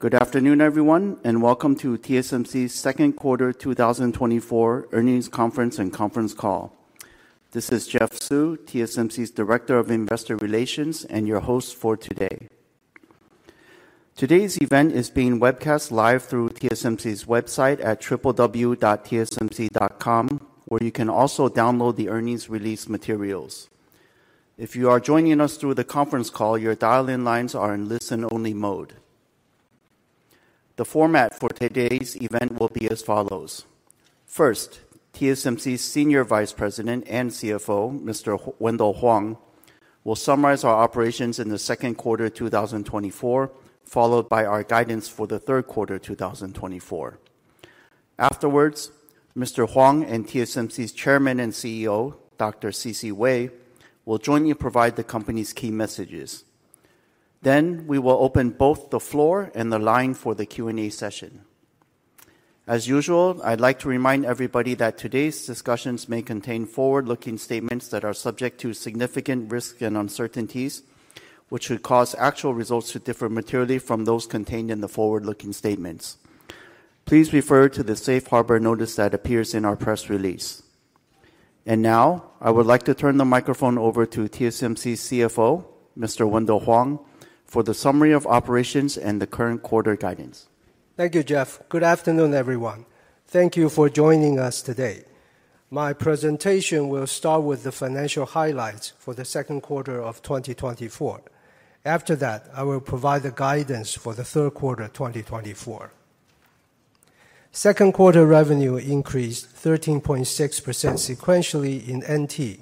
Good afternoon, everyone, and welcome to TSMC's second quarter 2024 earnings conference and conference call. This is Jeff Su, TSMC's Director of Investor Relations, and your host for today. Today's event is being webcast live through TSMC's website at www.tsmc.com, where you can also download the earnings release materials. If you are joining us through the conference call, your dial-in lines are in listen-only mode. The format for today's event will be as follows: First, TSMC's Senior Vice President and CFO, Mr. Wendell Huang, will summarize our operations in the second quarter 2024, followed by our guidance for the third quarter 2024. Afterwards, Mr. Huang and TSMC's Chairman and CEO, Dr. C.C. Wei, will jointly provide the company's key messages. Then, we will open both the floor and the line for the Q&A session. As usual, I'd like to remind everybody that today's discussions may contain forward-looking statements that are subject to significant risk and uncertainties, which would cause actual results to differ materially from those contained in the forward-looking statements. Please refer to the safe harbor notice that appears in our press release. Now, I would like to turn the microphone over to TSMC's CFO, Mr. Wendell Huang, for the summary of operations and the current quarter guidance. Thank you, Jeff. Good afternoon, everyone. Thank you for joining us today. My presentation will start with the financial highlights for the second quarter of 2024. After that, I will provide the guidance for the third quarter, 2024. Second quarter revenue increased 13.6% sequentially in NT,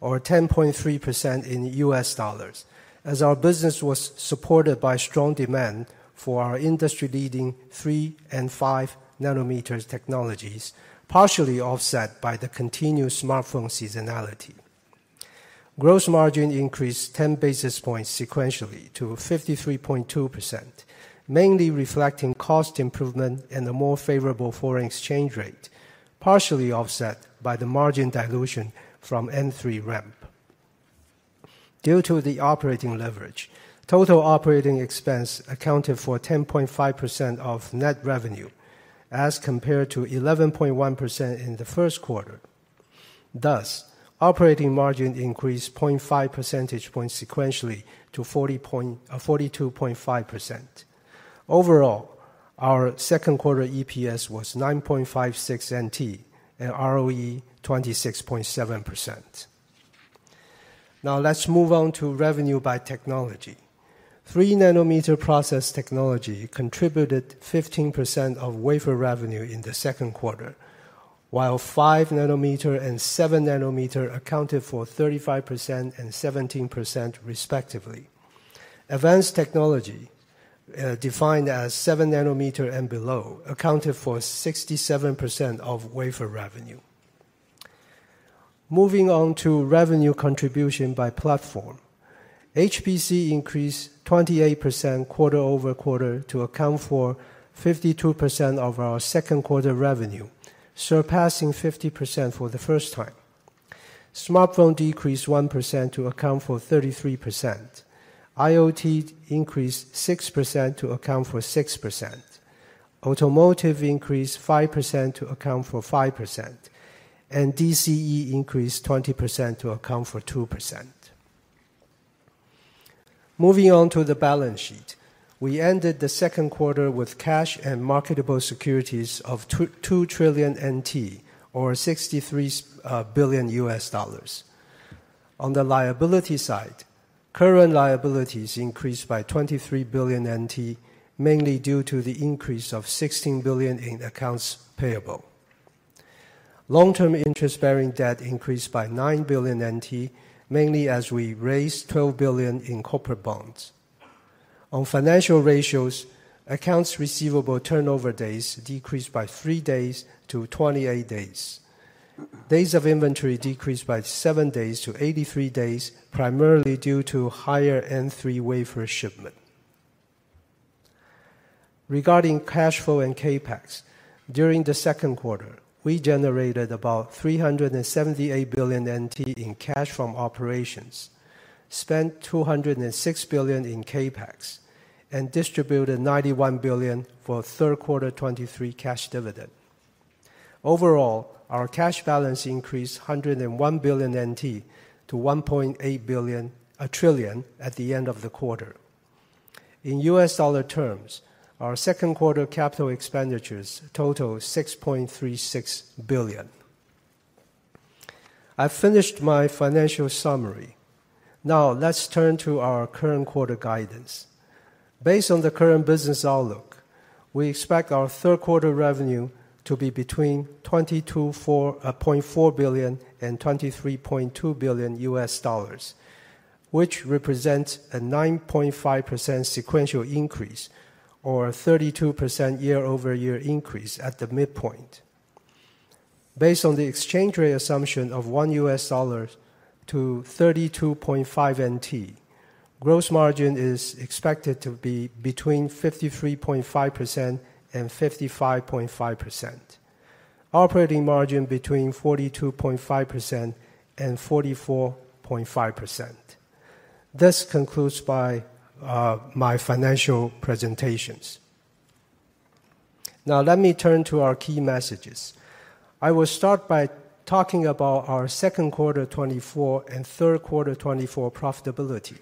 or 10.3% in U.S. dollars, as our business was supported by strong demand for our industry-leading 3- and 5-nanometer technologies, partially offset by the continued smartphone seasonality. Gross margin increased 10 basis points sequentially to 53.2%, mainly reflecting cost improvement and a more favorable foreign exchange rate, partially offset by the margin dilution from N3 ramp. Due to the operating leverage, total operating expense accounted for 10.5% of net revenue as compared to 11.1% in the first quarter. Thus, operating margin increased 0.5 percentage points sequentially to 42.5%. Overall, our second quarter EPS was 9.56 NT, and ROE, 26.7%. Now, let's move on to revenue by technology. 3-nanometer process technology contributed 15% of wafer revenue in the second quarter, while 5-nanometer and 7-nanometer accounted for 35% and 17%, respectively. Advanced technology, defined as 7-nanometer and below, accounted for 67% of wafer revenue. Moving on to revenue contribution by platform. HPC increased 28% quarter-over-quarter to account for 52% of our second quarter revenue, surpassing 50% for the first time. Smartphone decreased 1% to account for 33%. IoT increased 6% to account for 6%. Automotive increased 5% to account for 5%, and DCE increased 20% to account for 2%. Moving on to the balance sheet. We ended the second quarter with cash and marketable securities of 2 trillion NT, or $63 billion. On the liability side, current liabilities increased by 23 billion NT, mainly due to the increase of 16 billion in accounts payable. Long-term interest-bearing debt increased by 9 billion NT, mainly as we raised 12 billion in corporate bonds. On financial ratios, accounts receivable turnover days decreased by 3 days to 28 days. Days of inventory decreased by 7 days to 83 days, primarily due to higher N3 wafer shipment. Regarding cash flow and CapEx, during the second quarter, we generated about 378 billion NT in cash from operations, spent 206 billion in CapEx, and distributed 91 billion for third quarter 2023 cash dividend. Overall, our cash balance increased 101 billion NT to 1.8 trillion at the end of the quarter. In US dollar terms, our second quarter capital expenditures total $6.36 billion. I've finished my financial summary. Now, let's turn to our current quarter guidance. Based on the current business outlook, we expect our third quarter revenue to be between $22.4 billion and $23.2 billion, which represents a 9.5% sequential increase or a 32% year-over-year increase at the midpoint. Based on the exchange rate assumption of 1 US dollar to 32.5 NT, gross margin is expected to be between 53.5% and 55.5%. Operating margin between 42.5% and 44.5%. This concludes my financial presentations. Now, let me turn to our key messages. I will start by talking about our second quarter 2024 and third quarter 2024 profitability.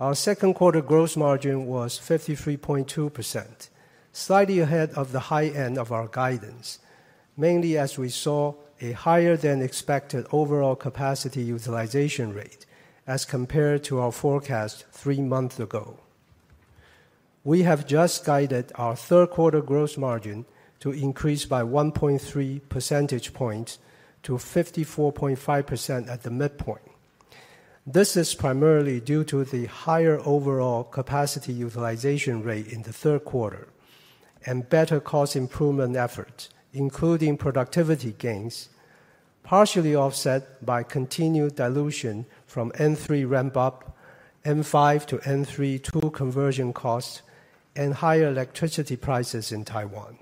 Our second quarter gross margin was 53.2%, slightly ahead of the high end of our guidance, mainly as we saw a higher-than-expected overall capacity utilization rate as compared to our forecast three months ago. We have just guided our third quarter gross margin to increase by 1.3 percentage points to 54.5% at the midpoint. This is primarily due to the higher overall capacity utilization rate in the third quarter and better cost improvement efforts, including productivity gains, partially offset by continued dilution from N3 ramp-up, N5 to N3 tool conversion costs, and higher electricity prices in Taiwan.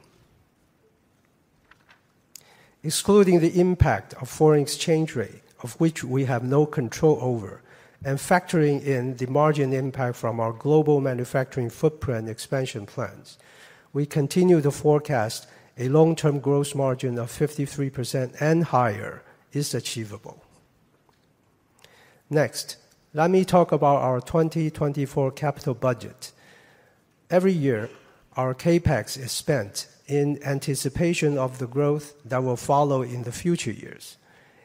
Excluding the impact of foreign exchange rate, of which we have no control over, and factoring in the margin impact from our global manufacturing footprint expansion plans, we continue to forecast a long-term gross margin of 53% and higher is achievable. Next, let me talk about our 2024 capital budget. Every year, our CapEx is spent in anticipation of the growth that will follow in the future years,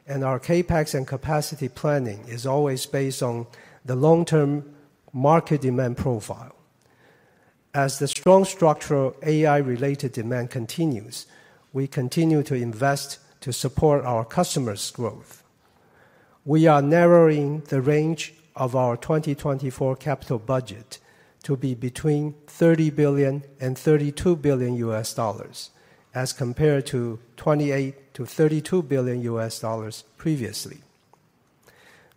and our CapEx and capacity planning is always based on the long-term market demand profile. As the strong structural AI-related demand continues, we continue to invest to support our customers' growth. We are narrowing the range of our 2024 capital budget to be between $30 billion and $32 billion, as compared to $28 billion-$32 billion previously.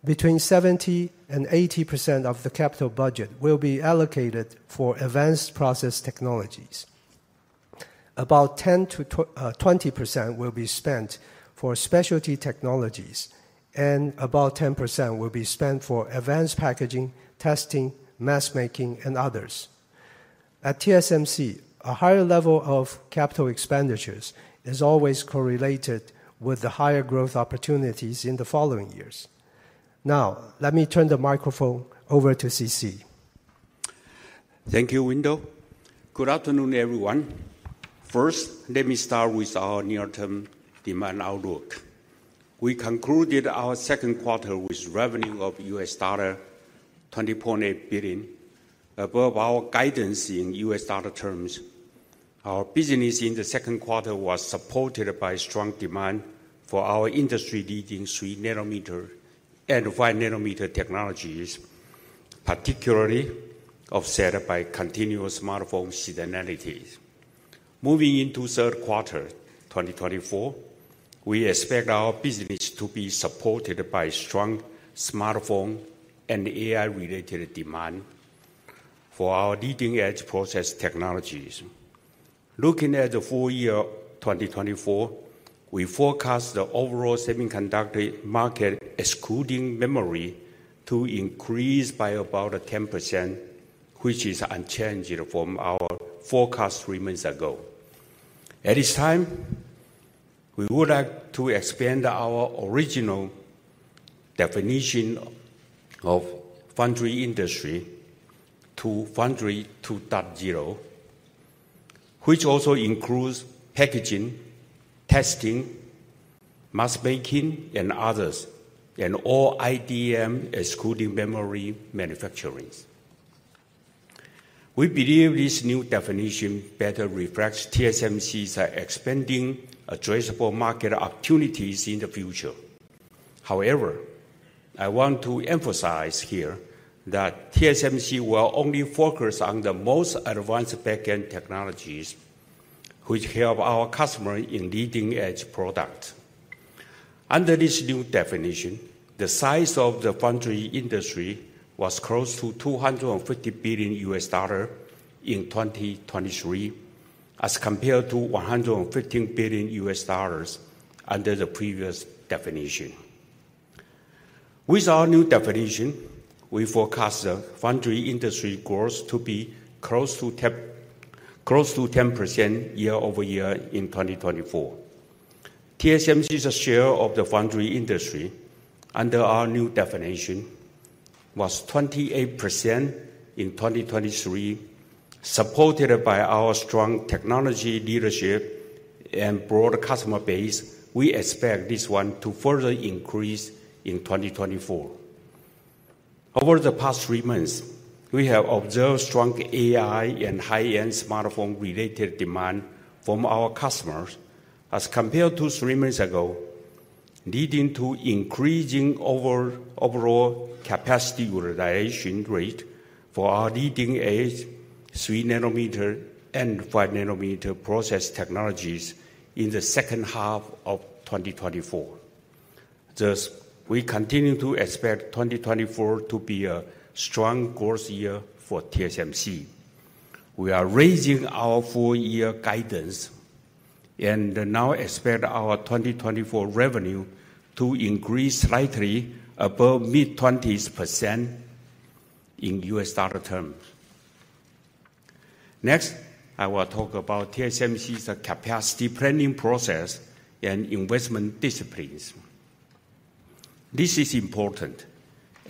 Between 70% and 80% of the capital budget will be allocated for advanced process technologies. About 10%-20% will be spent for specialty technologies, and about 10% will be spent for advanced packaging, testing, mask making, and others. At TSMC, a higher level of capital expenditures is always correlated with the higher growth opportunities in the following years. Now, let me turn the microphone over to CC. Thank you, Wendell. Good afternoon, everyone. First, let me start with our near-term demand outlook. We concluded our second quarter with revenue of $20.8 billion, above our guidance in US dollar terms. Our business in the second quarter was supported by strong demand for our industry-leading three-nanometer and five-nanometer technologies, particularly offset by continuous smartphone seasonality. Moving into third quarter 2024, we expect our business to be supported by strong smartphone and AI-related demand for our leading-edge process technologies. Looking at the full year 2024, we forecast the overall semiconductor market, excluding memory, to increase by about 10%, which is unchanged from our forecast three months ago. At this time, we would like to expand our original definition of foundry industry to Foundry 2.0, which also includes packaging, testing, mask making, and others, and all IDM, excluding memory manufacturing. We believe this new definition better reflects TSMC's expanding addressable market opportunities in the future. However, I want to emphasize here that TSMC will only focus on the most advanced back-end technologies, which help our customer in leading-edge product. Under this new definition, the size of the foundry industry was close to $250 billion in 2023, as compared to $115 billion under the previous definition. With our new definition, we forecast the foundry industry growth to be close to 10% year-over-year in 2024. TSMC's share of the foundry industry under our new definition was 28% in 2023. Supported by our strong technology leadership and broader customer base, we expect this one to further increase in 2024. Over the past three months, we have observed strong AI and high-end smartphone-related demand from our customers as compared to three months ago, leading to increasing overall capacity utilization rate for our leading-edge 3-nanometer and 5-nanometer process technologies in the second half of 2024. Thus, we continue to expect 2024 to be a strong growth year for TSMC. We are raising our full year guidance and now expect our 2024 revenue to increase slightly above mid-20s% in U.S. dollar terms. Next, I will talk about TSMC's capacity planning process and investment disciplines. This is important,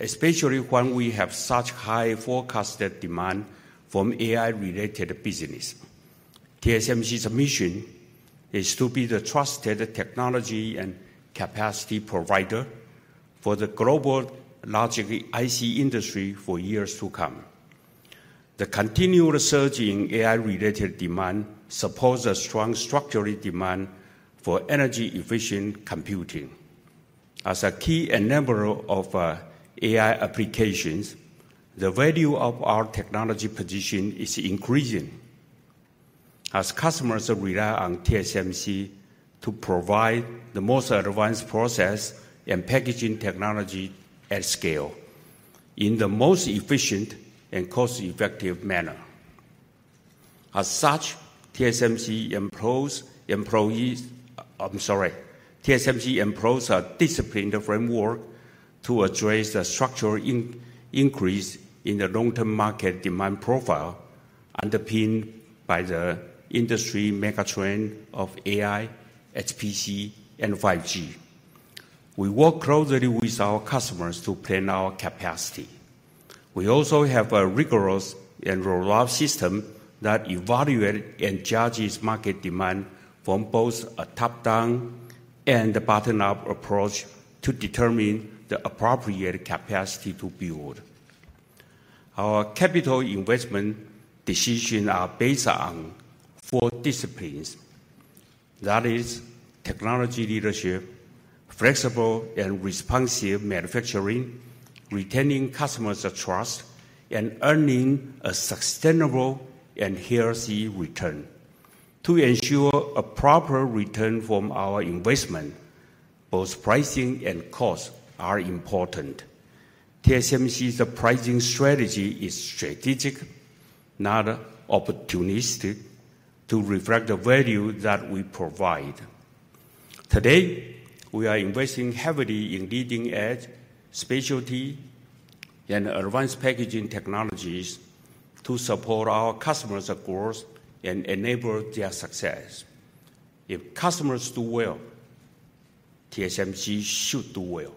especially when we have such high forecasted demand from AI-related business. TSMC's mission is to be the trusted technology and capacity provider for the global large IC industry for years to come. The continual surge in AI-related demand supports a strong structural demand for energy-efficient computing. As a key enabler of AI applications, the value of our technology position is increasing as customers rely on TSMC to provide the most advanced process and packaging technology at scale, in the most efficient and cost-effective manner. As such, TSMC employs a disciplined framework to address the structural increase in the long-term market demand profile, underpinned by the industry megatrend of AI, HPC, and 5G. We work closely with our customers to plan our capacity. We also have a rigorous and robust system that evaluate and judges market demand from both a top-down and a bottom-up approach to determine the appropriate capacity to build. Our capital investment decisions are based on four disciplines. That is technology leadership, flexible and responsive manufacturing, retaining customers' trust, and earning a sustainable and healthy return. To ensure a proper return from our investment, both pricing and cost are important. TSMC's pricing strategy is strategic, not opportunistic, to reflect the value that we provide. Today, we are investing heavily in leading-edge specialty and advanced packaging technologies to support our customers' growth and enable their success. If customers do well, TSMC should do well.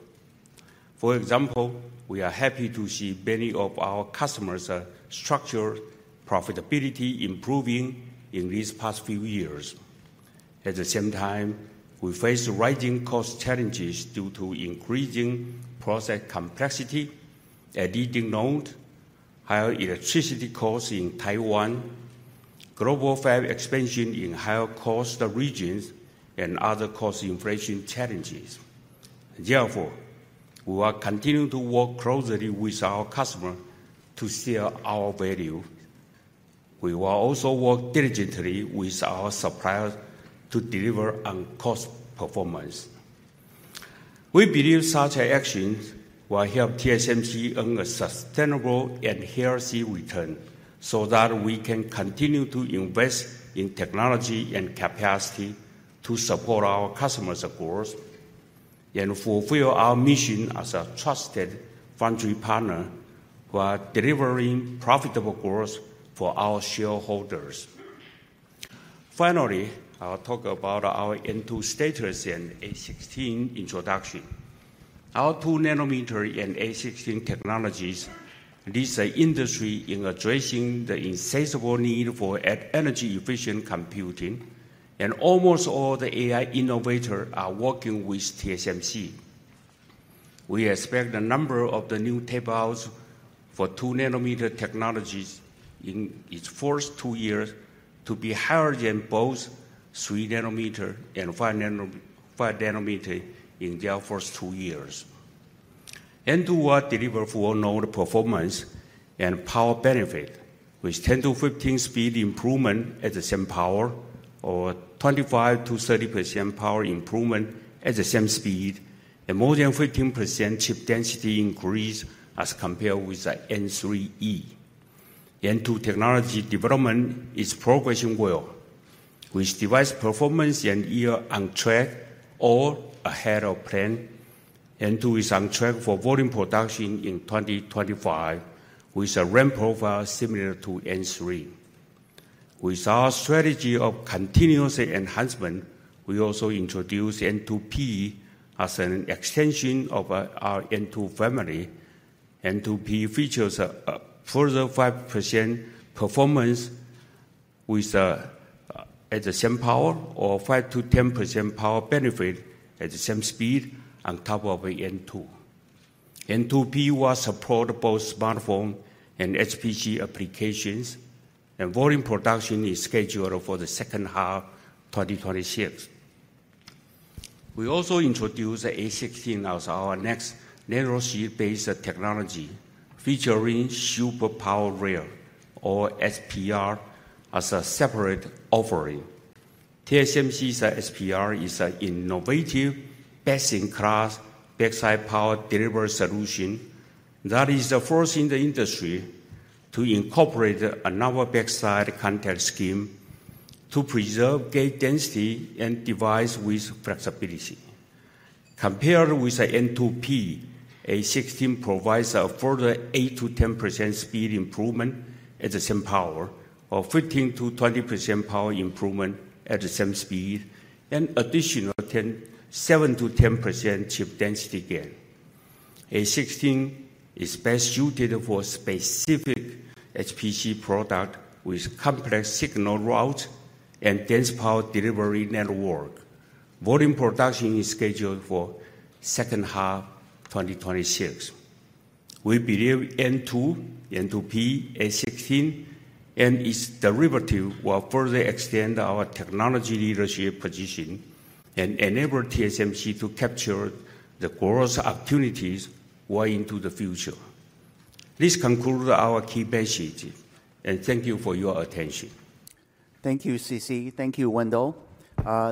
For example, we are happy to see many of our customers' structural profitability improving in these past few years. At the same time, we face rising cost challenges due to increasing process complexity at leading node, higher electricity costs in Taiwan, global fab expansion in higher cost regions, and other cost inflation challenges. Therefore, we will continue to work closely with our customers to share our value. We will also work diligently with our suppliers to deliver on cost performance. We believe such actions will help TSMC earn a sustainable and healthy return, so that we can continue to invest in technology and capacity to support our customers' growth and fulfill our mission as a trusted foundry partner who are delivering profitable growth for our shareholders. Finally, I will talk about our N2 status and A16 introduction. Our 2-nanometer and A16 technologies lead the industry in addressing the incessant need for energy-efficient computing, and almost all the AI innovators are working with TSMC. We expect the number of the new tape-outs for 2-nanometer technologies in its first two years to be higher than both 3-nanometer and 5-nanometer in their first two years. N2 will deliver full node performance and power benefit, with 10-15 speed improvement at the same power, or 25%-30% power improvement at the same speed, and more than 15% chip density increase as compared with the N3E. N2 technology development is progressing well, with device performance and yield on track or ahead of plan. N2 is on track for volume production in 2025, with a ramp profile similar to N3. With our strategy of continuous enhancement, we also introduce N2P as an extension of our N2 family. N2P features a further 5% performance with at the same power or 5%-10% power benefit at the same speed on top of N2. N2P will support both smartphone and HPC applications, and volume production is scheduled for the second half 2026. We also introduce A16 as our next nanosheet-based technology, featuring Super Power Rail, or SPR, as a separate offering. TSMC's SPR is an innovative, best-in-class backside power delivery solution that is the first in the industry to incorporate another backside contact scheme to preserve gate density and device width flexibility. Compared with the N2P, A16 provides a further 8%-10% speed improvement at the same power, or 15%-20% power improvement at the same speed, and additional seven to ten percent chip density gain. A16 is best suited for specific HPC product with complex signal route and dense power delivery network. Volume production is scheduled for second half, 2026. We believe N2, N2P, A16, and its derivative will further extend our technology leadership position and enable TSMC to capture the growth opportunities way into the future. This concludes our key message, and thank you for your attention. Thank you, C.C. Thank you, Wendell.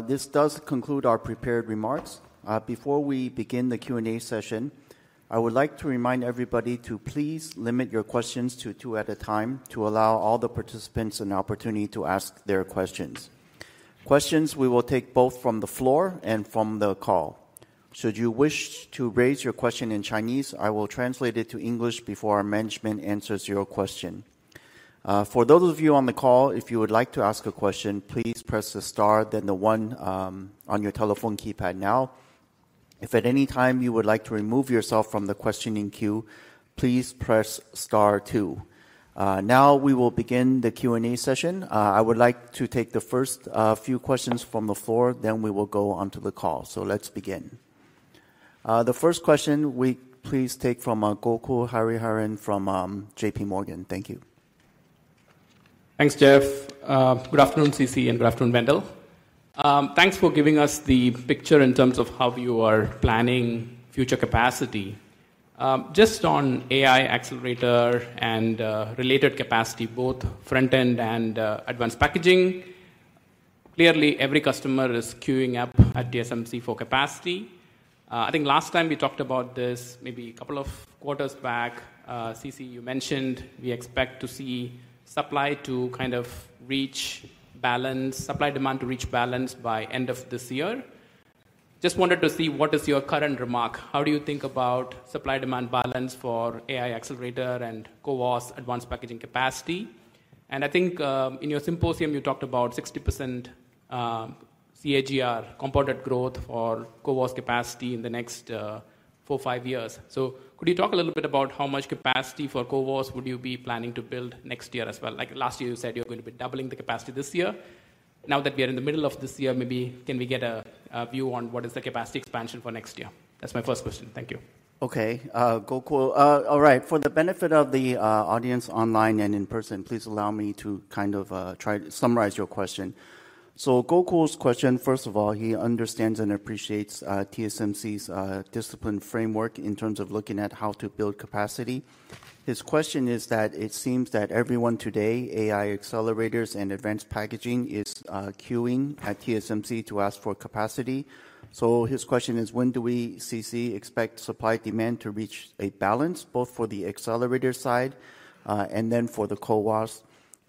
This does conclude our prepared remarks. Before we begin the Q&A session, I would like to remind everybody to please limit your questions to two at a time, to allow all the participants an opportunity to ask their questions. Questions we will take both from the floor and from the call. Should you wish to raise your question in Chinese, I will translate it to English before our management answers your question. For those of you on the call, if you would like to ask a question, please press the star, then the one, on your telephone keypad now. If at any time you would like to remove yourself from the questioning queue, please press star two. Now we will begin the Q&A session. I would like to take the first, few questions from the floor, then we will go on to the call. So let's begin. The first question we please take from, Gokul Hariharan from, J.P. Morgan. Thank you. Thanks, Jeff. Good afternoon, C.C., and good afternoon, Wendell. Thanks for giving us the picture in terms of how you are planning future capacity. Just on AI accelerator and related capacity, both front-end and advanced packaging, clearly every customer is queuing up at TSMC for capacity. I think last time we talked about this, maybe a couple of quarters back, C.C., you mentioned we expect to see supply to kind of reach balance, supply-demand to reach balance by end of this year. Just wanted to see, what is your current remark? How do you think about supply-demand balance for AI accelerator and CoWoS advanced packaging capacity? And I think, in your symposium, you talked about 60% CAGR compounded growth for CoWoS capacity in the next 4-5 years. So could you talk a little bit about how much capacity for CoWoS would you be planning to build next year as well? Like last year, you said you're going to be doubling the capacity this year. Now that we are in the middle of this year, maybe can we get a view on what is the capacity expansion for next year? That's my first question. Thank you. Okay, Gokul. All right, for the benefit of the audience online and in person, please allow me to kind of try to summarize your question. So Gokul's question, first of all, he understands and appreciates TSMC's discipline framework in terms of looking at how to build capacity. His question is that it seems that everyone today, AI accelerators and advanced packaging, is queuing at TSMC to ask for capacity. So his question is: When do we, C.C., expect supply-demand to reach a balance, both for the accelerator side and then for the CoWoS?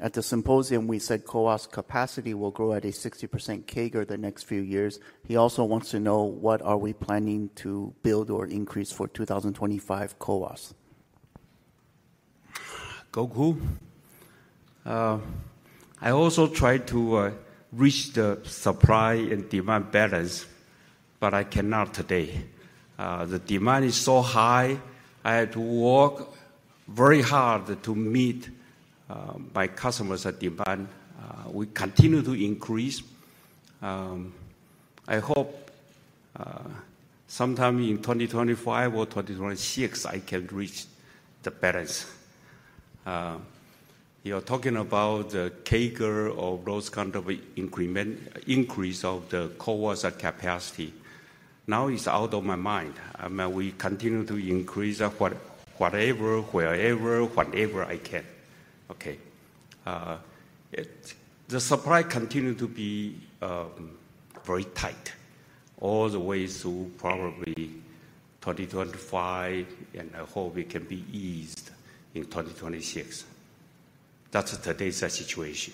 At the symposium, we said CoWoS capacity will grow at a 60% CAGR the next few years. He also wants to know what are we planning to build or increase for 2025 CoWoS. Gokul, I also try to reach the supply and demand balance, but I cannot today. The demand is so high, I had to work very hard to meet my customers' demand. We continue to increase. I hope sometime in 2025 or 2026, I can reach the balance. You're talking about the CAGR or those kind of increment increase of the CoWoS capacity. Now, it's out of my mind. I mean, we continue to increase whatever, wherever, whatever I can. Okay. The supply continue to be very tight all the way through probably 2025, and I hope it can be eased in 2026. That's today's situation.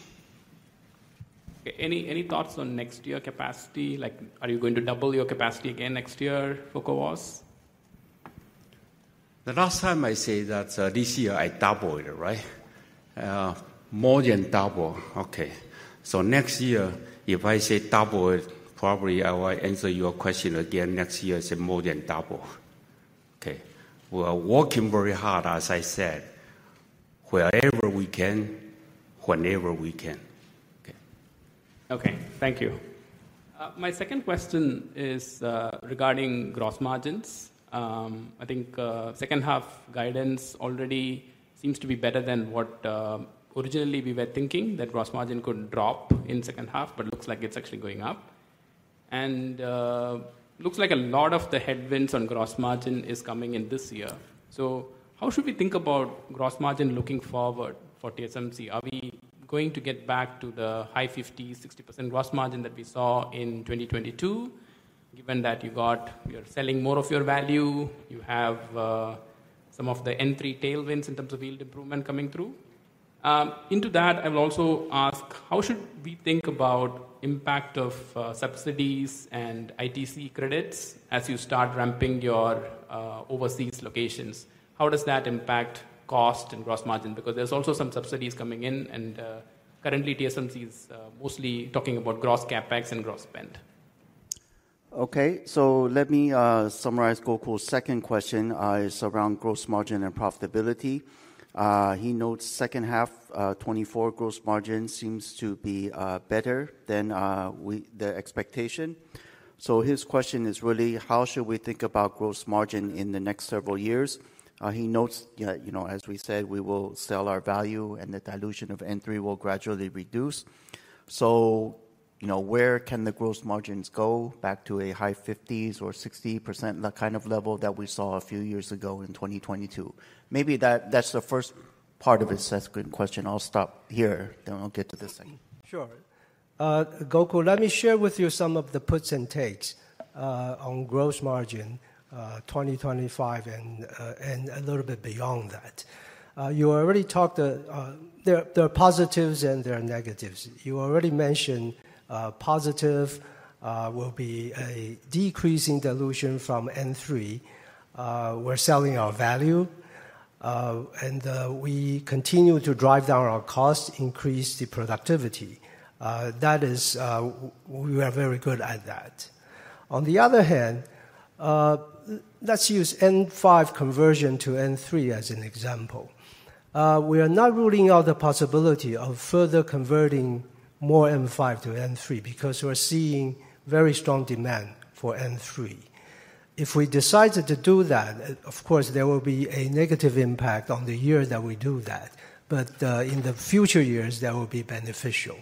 Any thoughts on next year capacity? Like, are you going to double your capacity again next year for CoWoS? The last time I say that, this year I doubled, right? More than double. Okay. So next year, if I say double it, probably I will answer your question again next year and say more than double. Okay. We are working very hard, as I said, wherever we can, whenever we can. Okay. Okay. Thank you. My second question is regarding gross margins. I think second half guidance already seems to be better than what originally we were thinking, that gross margin could drop in second half, but it looks like it's actually going up... and looks like a lot of the headwinds on gross margin is coming in this year. So how should we think about gross margin looking forward for TSMC? Are we going to get back to the high 50, 60% gross margin that we saw in 2022, given that you're selling more of your value, you have some of the N3 tailwinds in terms of yield improvement coming through? Into that, I will also ask: how should we think about impact of subsidies and ITC credits as you start ramping your overseas locations? How does that impact cost and gross margin? Because there's also some subsidies coming in, and currently TSMC is mostly talking about gross CapEx and gross spend. Okay. So let me summarize Gokul's second question is around gross margin and profitability. He notes second half, 2024 gross margin seems to be better than the expectation. So his question is really: how should we think about gross margin in the next several years? He notes, you know, you know, as we said, we will sell our value, and the dilution of N3 will gradually reduce. So, you know, where can the gross margins go? Back to a high 50s or 60%, that kind of level that we saw a few years ago in 2022. Maybe that's the first part of his question. I'll stop here, then I'll get to the second. Sure. Gokul, let me share with you some of the puts and takes on gross margin, 2025 and a little bit beyond that. You already talked, there are positives and there are negatives. You already mentioned, positive will be a decrease in dilution from N3. We're selling our value, and we continue to drive down our costs, increase the productivity. That is. We are very good at that. On the other hand, let's use N5 conversion to N3 as an example. We are not ruling out the possibility of further converting more N5 to N3, because we're seeing very strong demand for N3. If we decided to do that, of course, there will be a negative impact on the year that we do that, but, in the future years, that will be beneficial.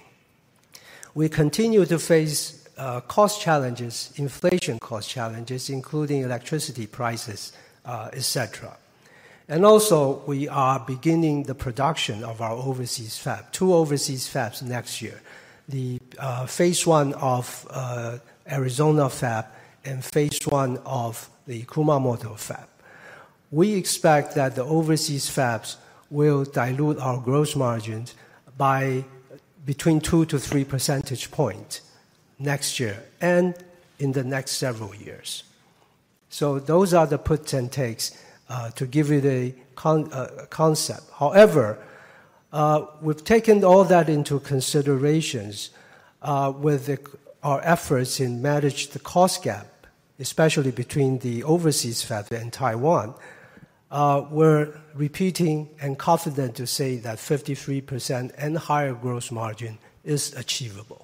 We continue to face cost challenges, inflation cost challenges, including electricity prices, et cetera. And also, we are beginning the production of our overseas fab, 2 overseas fabs next year: the phase one of Arizona fab and phase one of the Kumamoto fab. We expect that the overseas fabs will dilute our gross margins by between 2-3 percentage points next year and in the next several years. So those are the puts and takes to give you the concept. However, we've taken all that into considerations with our efforts in manage the cost gap, especially between the overseas fab and Taiwan. We're repeating and confident to say that 53% and higher gross margin is achievable.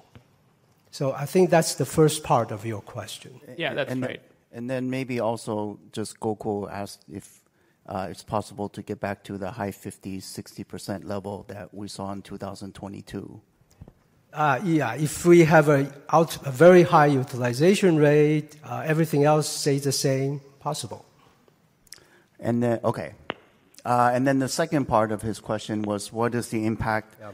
I think that's the first part of your question. Yeah, that's right. And then maybe also just Gokul asked if it's possible to get back to the high 50-60% level that we saw in 2022. Yeah. If we have a very high utilization rate, everything else stays the same, possible. And then the second part of his question was, what is the impact- Yeah...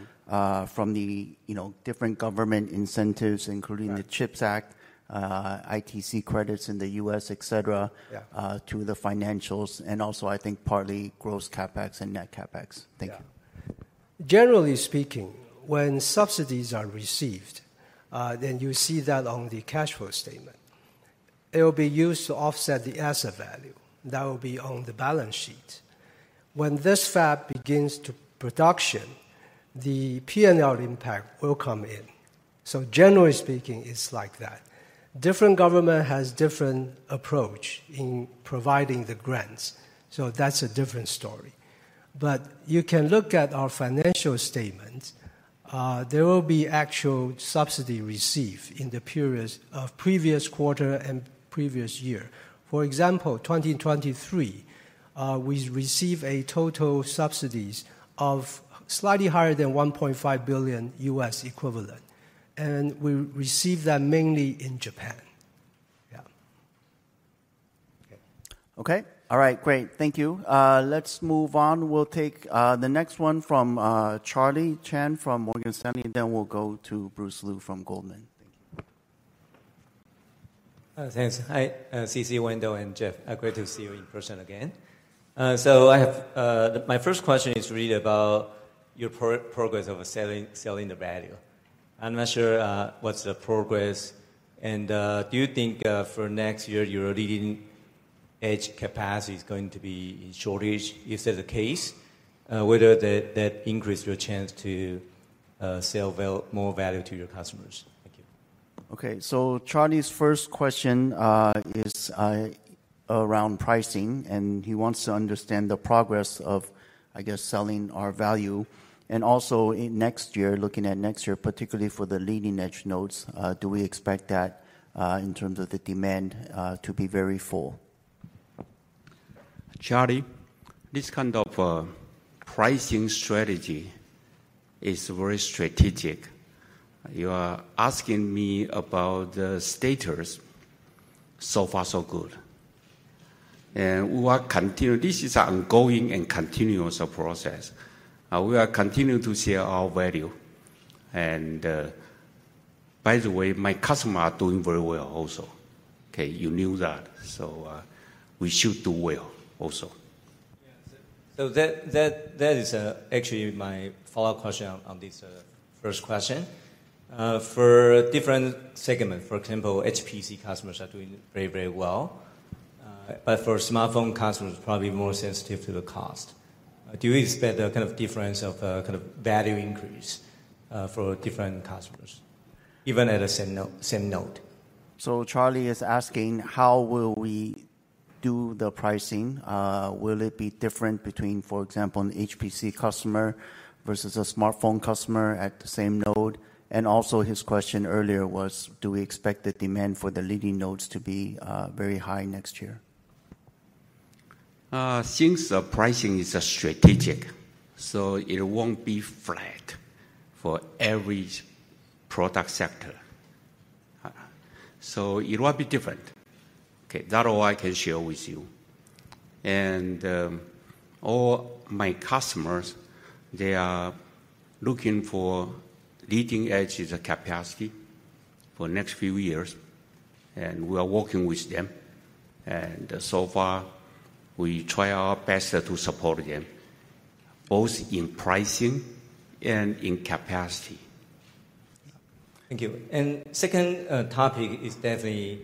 from the, you know, different government incentives, including- Right... the CHIPS Act, ITC credits in the U.S., et cetera- Yeah... to the financials, and also, I think, partly gross CapEx and net CapEx. Thank you. Yeah. Generally speaking, when subsidies are received, then you see that on the cash flow statement. It will be used to offset the asset value, that will be on the balance sheet. When this fab begins to production, the P&L impact will come in. So generally speaking, it's like that. Different government has different approach in providing the grants, so that's a different story. But you can look at our financial statements. There will be actual subsidy received in the periods of previous quarter and previous year. For example, 2023, we receive a total subsidies of slightly higher than $1.5 billion US equivalent, and we receive that mainly in Japan. Yeah. Okay. Okay? All right, great. Thank you. Let's move on. We'll take the next one from Charlie Chan from Morgan Stanley, and then we'll go to Bruce Lu from Goldman. Thank you. Thanks. Hi, C.C., Wendell, and Jeff. Great to see you in person again. So I have-- my first question is really about your progress of selling the value. I'm not sure what's the progress, and do you think for next year, your leading-edge capacity is going to be in shortage? If that's the case, whether that increase your chance to sell more value to your customers. Thank you. Okay. So Charlie's first question is around pricing, and he wants to understand the progress of, I guess, selling our value. Also in next year, looking at next year, particularly for the leading-edge nodes, do we expect that in terms of the demand to be very full?... Charlie, this kind of pricing strategy is very strategic. You are asking me about the status. So far, so good. And this is ongoing and continuous process. We are continuing to share our value. And, by the way, my customer are doing very well also. Okay, you knew that, so we should do well also. Yeah, so that is actually my follow-up question on this first question. For different segments, for example, HPC customers are doing very, very well. But for smartphone customers, probably more sensitive to the cost. Do you expect a kind of difference of kind of value increase for different customers, even at the same node? Charlie is asking: how will we do the pricing? Will it be different between, for example, an HPC customer versus a smartphone customer at the same node? And also, his question earlier was: Do we expect the demand for the leading nodes to be very high next year? Since the pricing is strategic, so it won't be flat for every product sector. It will be different. Okay, that all I can share with you. All my customers, they are looking for leading-edge as a capacity for next few years, and we are working with them. So far, we try our best to support them, both in pricing and in capacity. Thank you. And second, topic is definitely...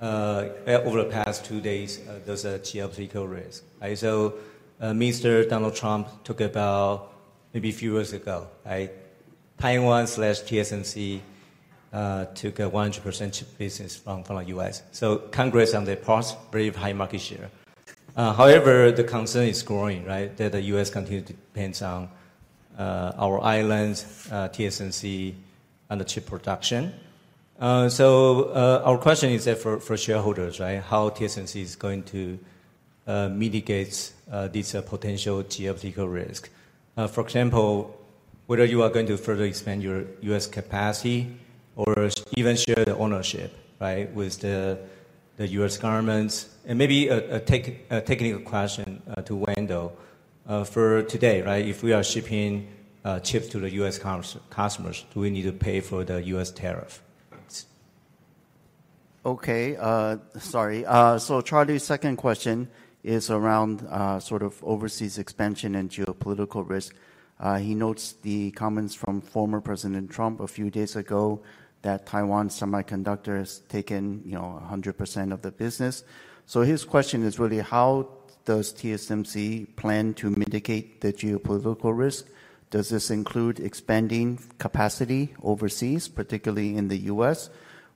Over the past two days, there's a geopolitical risk, right? So, Mr. Donald Trump talked about maybe a few years ago, right? Taiwan/TSMC took a 100% chip business from, from the U.S. So Congress on their part, very high market share. However, the concern is growing, right? That the U.S. continue to depends on, our islands, TSMC, on the chip production. So, our question is that for, for shareholders, right? How TSMC is going to mitigate this potential geopolitical risk. For example, whether you are going to further expand your U.S. capacity or even share the ownership, right, with the, the U.S. governments. And maybe a technical question to Wendell. For today, right? If we are shipping chips to the U.S. customers, do we need to pay for the U.S. tariff? Thanks. Okay, sorry. So Charlie's second question is around sort of overseas expansion and geopolitical risk. He notes the comments from former President Trump a few days ago, that Taiwan Semiconductor has taken, you know, 100% of the business. So his question is really: How does TSMC plan to mitigate the geopolitical risk? Does this include expanding capacity overseas, particularly in the U.S.?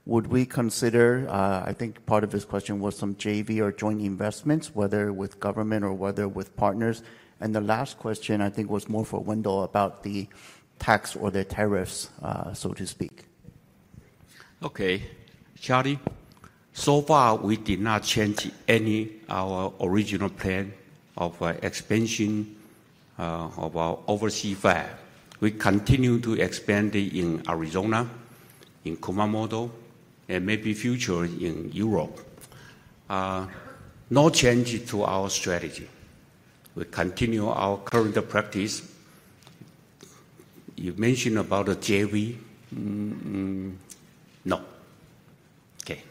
Would we consider... I think part of his question was some JV or joint investments, whether with government or whether with partners. And the last question, I think, was more for Wendell, about the tax or the tariffs, so to speak. Okay. Charlie, so far, we did not change any our original plan of expansion of our overseas fab. We continue to expand in Arizona, in Kumamoto, and maybe future in Europe. No change to our strategy. We continue our current practice. You mentioned about a JV? Mm, mm, no. Okay.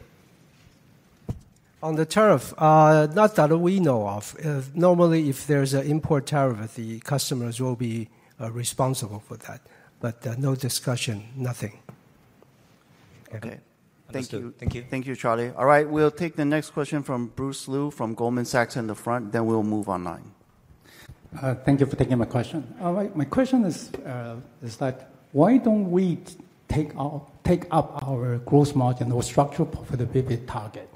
On the tariff, not that we know of. Normally, if there's an import tariff, the customers will be responsible for that, but no discussion, nothing. Okay. Thank you. Understood. Thank you. Thank you, Charlie. All right, we'll take the next question from Bruce Lu, from Goldman Sachs in the front, then we'll move online. Thank you for taking my question. All right, my question is, is that, why don't we take up our gross margin or structural profitability target?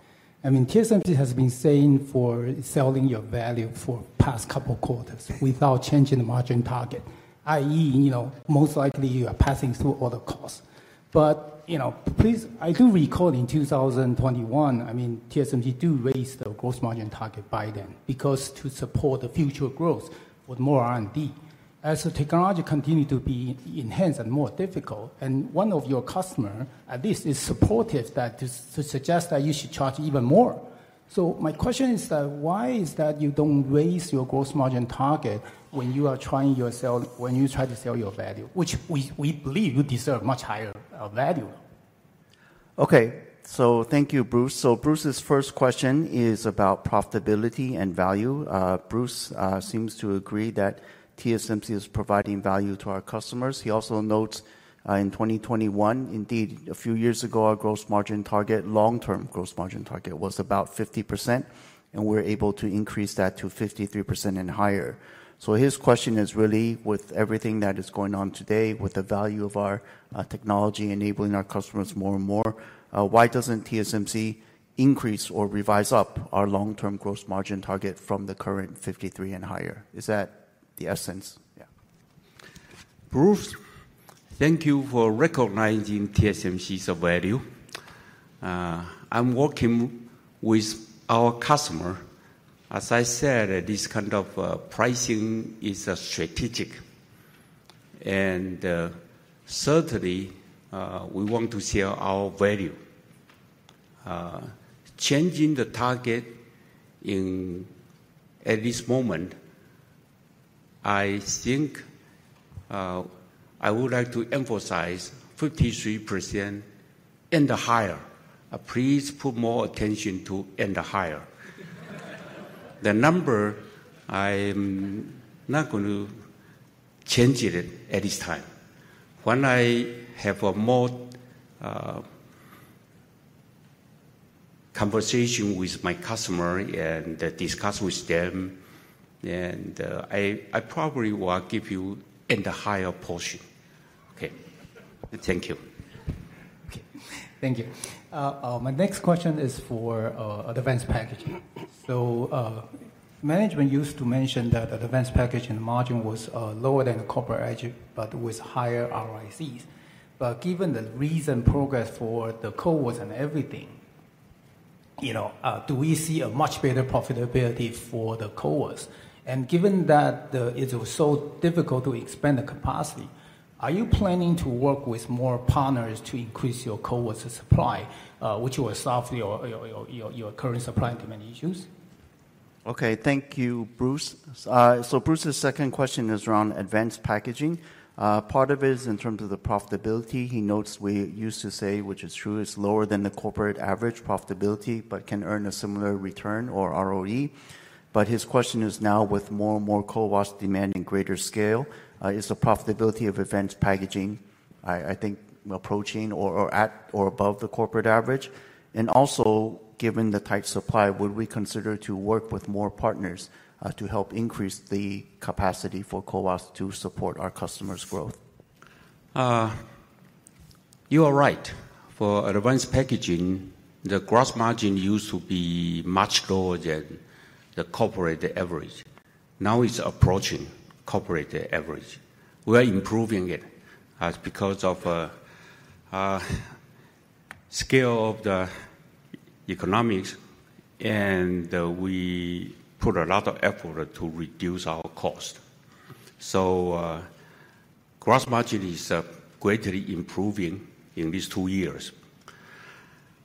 I mean, TSMC has been saying for selling your value for past couple quarters without changing the margin target, i.e., you know, most likely you are passing through all the costs. But, you know, please, I do recall in 2021, I mean, TSMC do raise the gross margin target by then, because to support the future growth with more R&D. As the technology continue to be enhanced and more difficult, and one of your customer, at least, is supportive that to suggest that you should charge even more. My question is that, why is that you don't raise your gross margin target when you are trying to sell, when you try to sell your value, which we believe you deserve much higher value? Okay. So thank you, Bruce. So Bruce's first question is about profitability and value. Bruce seems to agree that TSMC is providing value to our customers. He also notes, in 2021, indeed, a few years ago, our gross margin target, long-term gross margin target, was about 50%, and we're able to increase that to 53% and higher. So his question is really, with everything that is going on today, with the value of our technology enabling our customers more and more, why doesn't TSMC increase or revise up our long-term gross margin target from the current 53% and higher? Is that the essence, yeah?... Bruce, thank you for recognizing TSMC's value. I'm working with our customer. As I said, this kind of pricing is a strategic, and certainly we want to share our value. Changing the target at this moment, I think I would like to emphasize 53% and higher. Please put more attention to and higher. The number, I'm not going to change it at this time. When I have a more conversation with my customer and discuss with them, and I probably will give you in the higher portion. Okay. Thank you. Okay, thank you. My next question is for advanced packaging. So, management used to mention that the advanced packaging margin was lower than the corporate average, but with higher ROICs. But given the recent progress for the CoWoS and everything, you know, do we see a much better profitability for the CoWoS? And given that it's so difficult to expand the capacity, are you planning to work with more partners to increase your CoWoS supply, which will solve your current supply chain issues? Okay, thank you, Bruce. So Bruce's second question is around advanced packaging. Part of it is in terms of the profitability. He notes we used to say, which is true, it's lower than the corporate average profitability, but can earn a similar return or ROE. But his question is now, with more and more CoWoS demanding greater scale, is the profitability of advanced packaging, I think, approaching or at or above the corporate average? And also, given the tight supply, would we consider to work with more partners to help increase the capacity for CoWoS to support our customers' growth? You are right. For advanced packaging, the gross margin used to be much lower than the corporate average. Now, it's approaching corporate average. We are improving it as because of scale of the economics, and we put a lot of effort to reduce our cost. So, gross margin is greatly improving in these two years.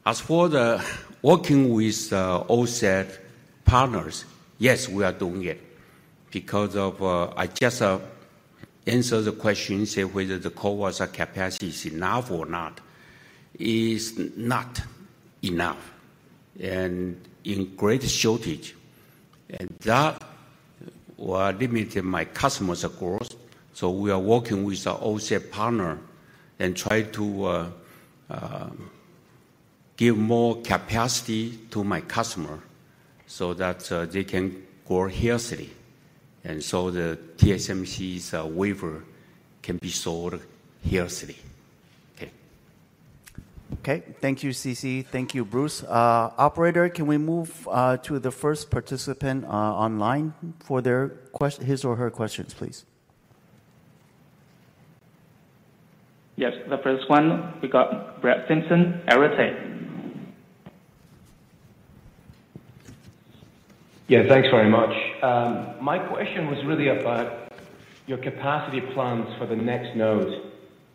As for the working with outside partners, yes, we are doing it, because of... I just answer the question, say whether the CoWoS capacity is enough or not. It is not enough, and in great shortage, and that will limit my customers, of course. So we are working with our outside partner and try to give more capacity to my customer so that they can grow healthily, and so the TSMC's wafer can be sold healthily. Okay. Okay. Thank you, C.C. Thank you, Bruce. Operator, can we move to the first participant online for their quest- his or her questions, please? Yes, the first one, we got Brett Simpson, Arete Research. Yeah, thanks very much. My question was really about your capacity plans for the next node.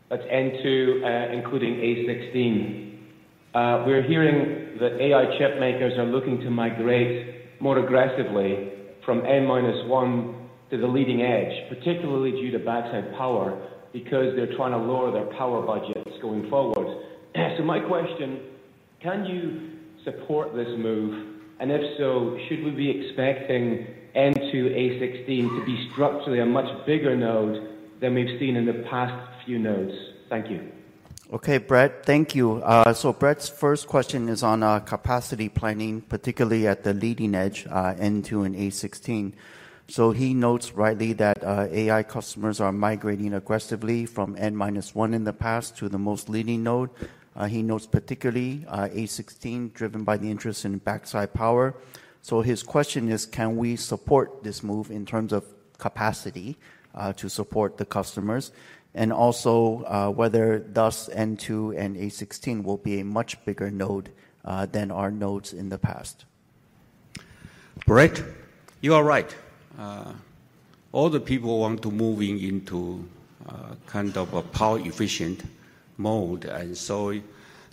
That's N2, including A16. We're hearing that AI chipmakers are looking to migrate more aggressively from N minus one to the leading edge, particularly due to backside power, because they're trying to lower their power budgets going forward. So my question, can you support this move? And if so, should we be expecting N2A16 to be structurally a much bigger node than we've seen in the past few nodes? Thank you. Okay, Brett, thank you. So Brett's first question is on capacity planning, particularly at the leading edge, N2 and A16. So he notes rightly that AI customers are migrating aggressively from N minus one in the past to the most leading node. He notes particularly A16, driven by the interest in backside power. So his question is, can we support this move in terms of capacity to support the customers? And also, whether thus N2 and A16 will be a much bigger node than our nodes in the past. Brett, you are right. All the people want to moving into kind of a power-efficient mode, and so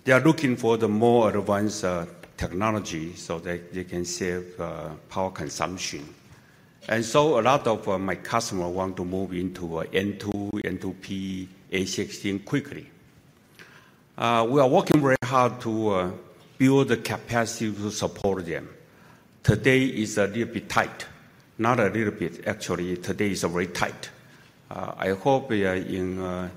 they are looking for the more advanced technology so that they can save power consumption. And so a lot of my customer want to move into N2, N2P, A16 quickly. We are working very hard to build the capacity to support them. Today is a little bit tight. Not a little bit, actually, today is very tight. I hope in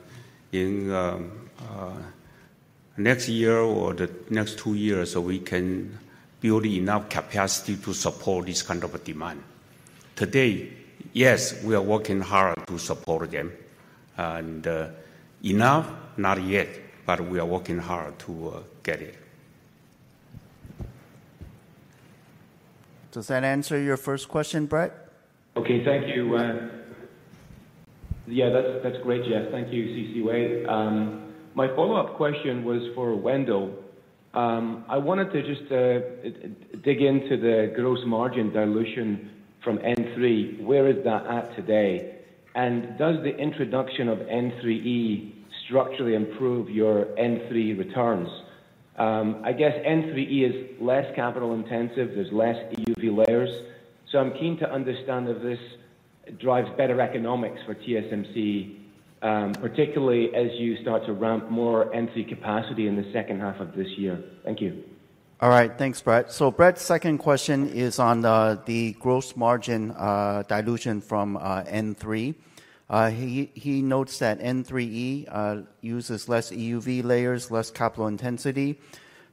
next year or the next two years, so we can build enough capacity to support this kind of a demand. Today, yes, we are working hard to support them, and enough? Not yet, but we are working hard to get it.... Does that answer your first question, Brett? Okay, thank you. Yeah, that's, that's great, yes. Thank you, C.C. Wei. My follow-up question was for Wendell. I wanted to just dig into the gross margin dilution from N3. Where is that at today? And does the introduction of N3E structurally improve your N3 returns? I guess N3E is less capital intensive, there's less EUV layers, so I'm keen to understand if this drives better economics for TSMC, particularly as you start to ramp more N3 capacity in the second half of this year. Thank you. All right. Thanks, Brett. So Brett's second question is on the, the gross margin, dilution from, N3. He notes that N3E uses less EUV layers, less capital intensity.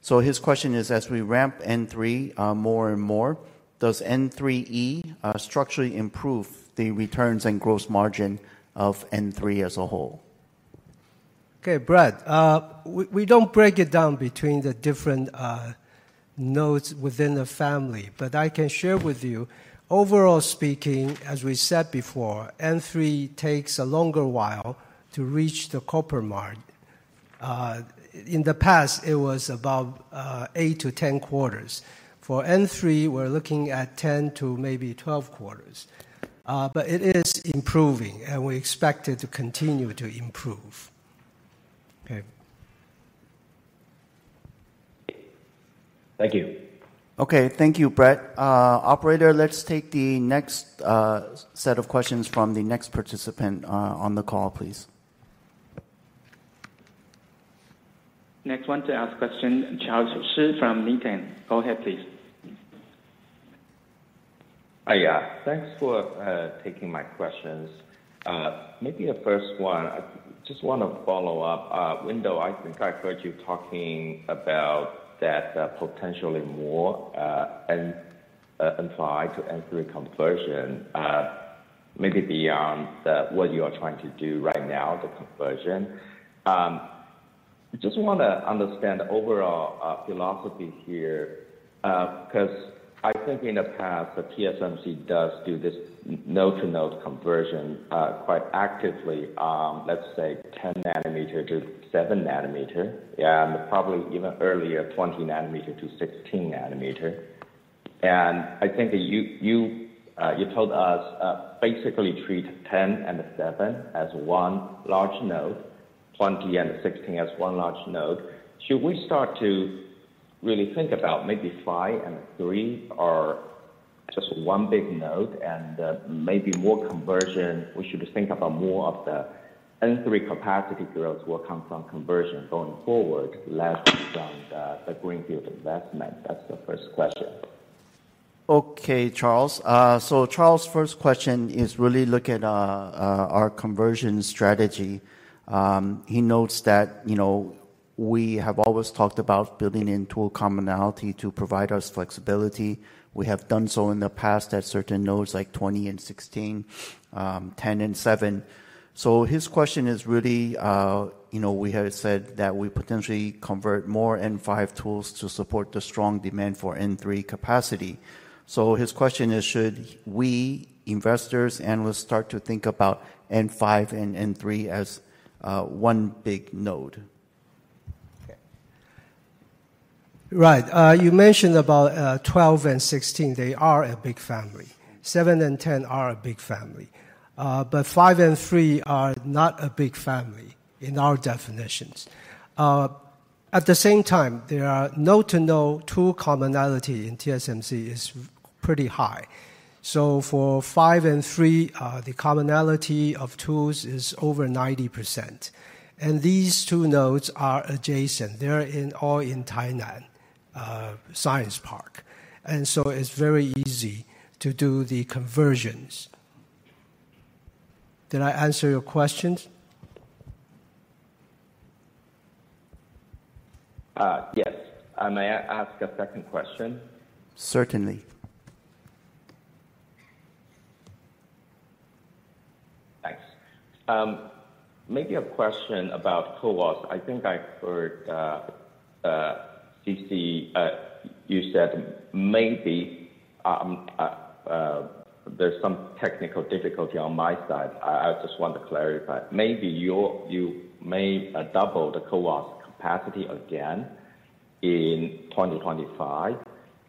So his question is, as we ramp N3 more and more, does N3E structurally improve the returns and gross margin of N3 as a whole? Okay, Brett, we don't break it down between the different nodes within a family. But I can share with you, overall speaking, as we said before, N3 takes a longer while to reach the copper mark. In the past, it was about 8-10 quarters. For N3, we're looking at 10 to maybe 12 quarters. But it is improving, and we expect it to continue to improve. Okay. Thank you. Okay. Thank you, Brett. Operator, let's take the next set of questions from the next participant on the call, please. Next one to ask question, Charles Shi from Needham & Company. Go ahead, please. Hi, yeah. Thanks for taking my questions. Maybe the first one, I just wanna follow up. Wendell, I think I heard you talking about that, potentially more, N, N5 to N3 conversion, maybe beyond the, what you are trying to do right now, the conversion. I just wanna understand the overall, philosophy here, 'cause I think in the past, that TSMC does do this n-node-to-node conversion, quite actively, let's say 10-nanometer to 7-nanometer, yeah, and probably even earlier, 20-nanometer to 16-nanometer. And I think you, you, you told us, basically treat 10 and 7 as one large node, 20 and 16 as one large node. Should we start to really think about maybe five and three are just one big node and, maybe more conversion, we should just think about more of the N3 capacity growth will come from conversion going forward, less from the greenfield investment? That's the first question. Okay, Charles. So Charles' first question is really look at our conversion strategy. He notes that, you know, we have always talked about building in tool commonality to provide us flexibility. We have done so in the past at certain nodes, like 20 and 16, 10 and 7. So his question is really, you know, we have said that we potentially convert more N5 tools to support the strong demand for N3 capacity. So his question is, should we, investors, analysts, start to think about N5 and N3 as one big node? Right. You mentioned about 12 and 16, they are a big family. Seven and ten are a big family. But five and three are not a big family in our definitions. At the same time, there are node-to-node tool commonality in TSMC is pretty high. So for five and three, the commonality of tools is over 90%, and these two nodes are adjacent. They're all in Tainan Science Park, and so it's very easy to do the conversions. Did I answer your questions? Yes. May I ask a second question? Certainly. Thanks. Maybe a question about CoWoS. I think I heard, C.C., you said maybe, there's some technical difficulty on my side. I just want to clarify. Maybe you may double the CoWoS capacity again in 2025.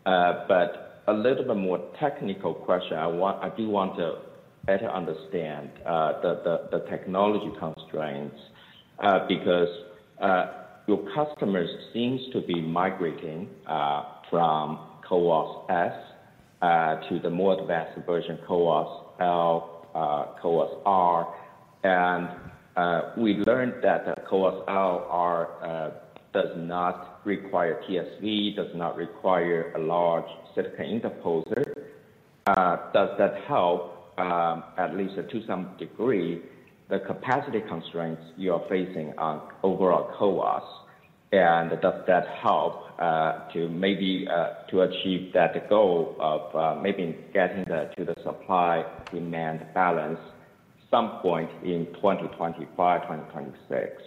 But a little bit more technical question, I want—I do want to better understand the technology constraints, because your customers seems to be migrating from CoWoS-S to the more advanced version, CoWoS-L, CoWoS-R. And we learned that the CoWoS-L, R does not require TSV, does not require a large silicon interposer. Does that help, at least to some degree, the capacity constraints you are facing on overall CoWoS? Does that help to maybe achieve that goal of maybe getting to the supply-demand balance?... Some point in 2025, 2026?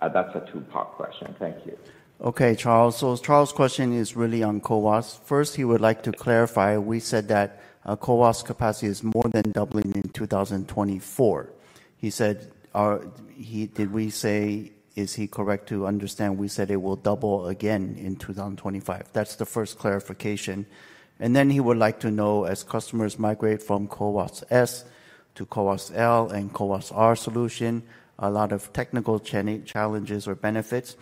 That's a two-part question. Thank you. Okay, Charles. So Charles' question is really on CoWoS. First, he would like to clarify, we said that, CoWoS capacity is more than doubling in 2024. He said, is he correct to understand we said it will double again in 2025? That's the first clarification. And then he would like to know, as customers migrate from CoWoS-S to CoWoS-L and CoWoS-R solution, a lot of technical challenges or benefits,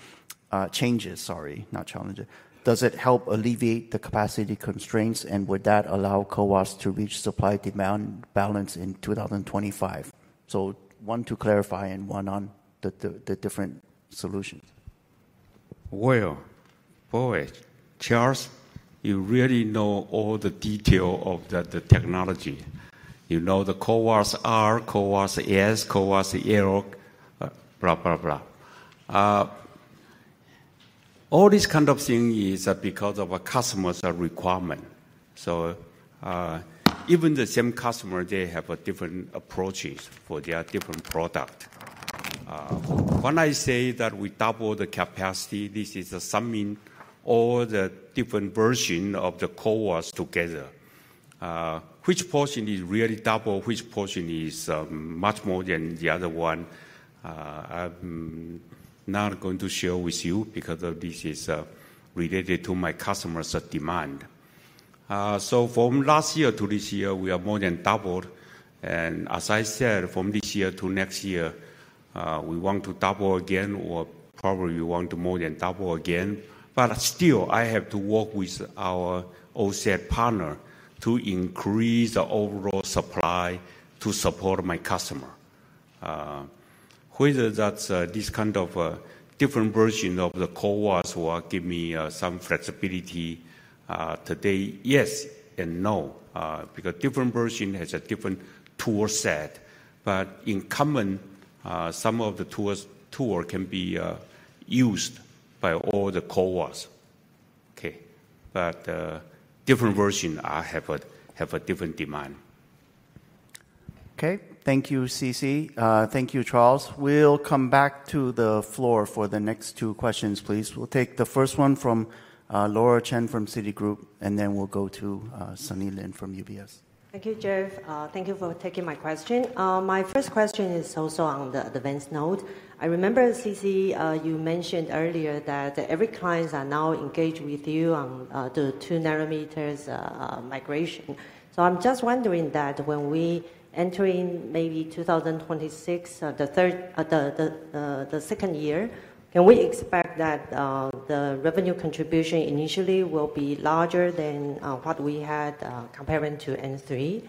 changes, sorry, not challenges. Does it help alleviate the capacity constraints, and would that allow CoWoS to reach supply-demand balance in 2025? So one to clarify and one on the different solutions. Well, boy, Charles, you really know all the detail of the technology. You know, the CoWoS-R, CoWoS-S, CoWoS-L, blah, blah, blah. All these kind of thing is because of our customer's requirement. So, even the same customer, they have different approaches for their different product. When I say that we double the capacity, this is summing all the different version of the CoWoS together. Which portion is really double, which portion is much more than the other one, I'm not going to share with you because this is related to my customer's demand. So from last year to this year, we have more than doubled, and as I said, from this year to next year, we want to double again or probably we want to more than double again. But still, I have to work with our OSAT partner to increase the overall supply to support my customer. Whether that's this kind of different version of the CoWoS will give me some flexibility today, yes and no. Because different version has a different tool set, but in common, some of the tools can be used by all the CoWoS. Okay, but different version, I have a different demand. Okay. Thank you, C.C. Thank you, Charles. We'll come back to the floor for the next two questions, please. We'll take the first one from Laura Chen from Citigroup, and then we'll go to Sunny Lin from UBS. Thank you, Jeff. Thank you for taking my question. My first question is also on the advanced node. I remember, C.C., you mentioned earlier that every clients are now engaged with you on, the two nanometers, migration. So I'm just wondering that when we entering maybe 2026, the second year, can we expect that, the revenue contribution initially will be larger than, what we had, comparing to N3?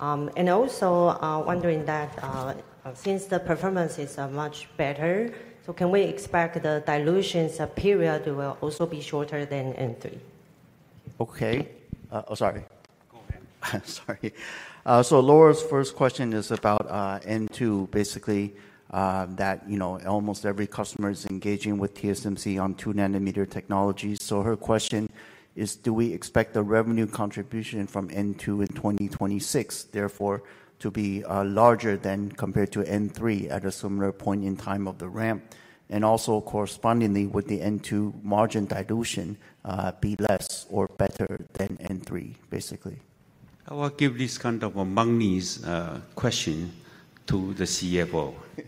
And also, wondering that, since the performances are much better, so can we expect the dilutions period will also be shorter than N3? Okay. Oh, sorry. Go ahead. Sorry. So Laura's first question is about N2, basically, that you know, almost every customer is engaging with TSMC on 2-nanometer technology. So her question is: do we expect the revenue contribution from N2 in 2026, therefore, to be larger than compared to N3 at a similar point in time of the ramp? And also, correspondingly, would the N2 margin dilution be less or better than N3, basically? I will give this kind of a money question to the CFO. Okay.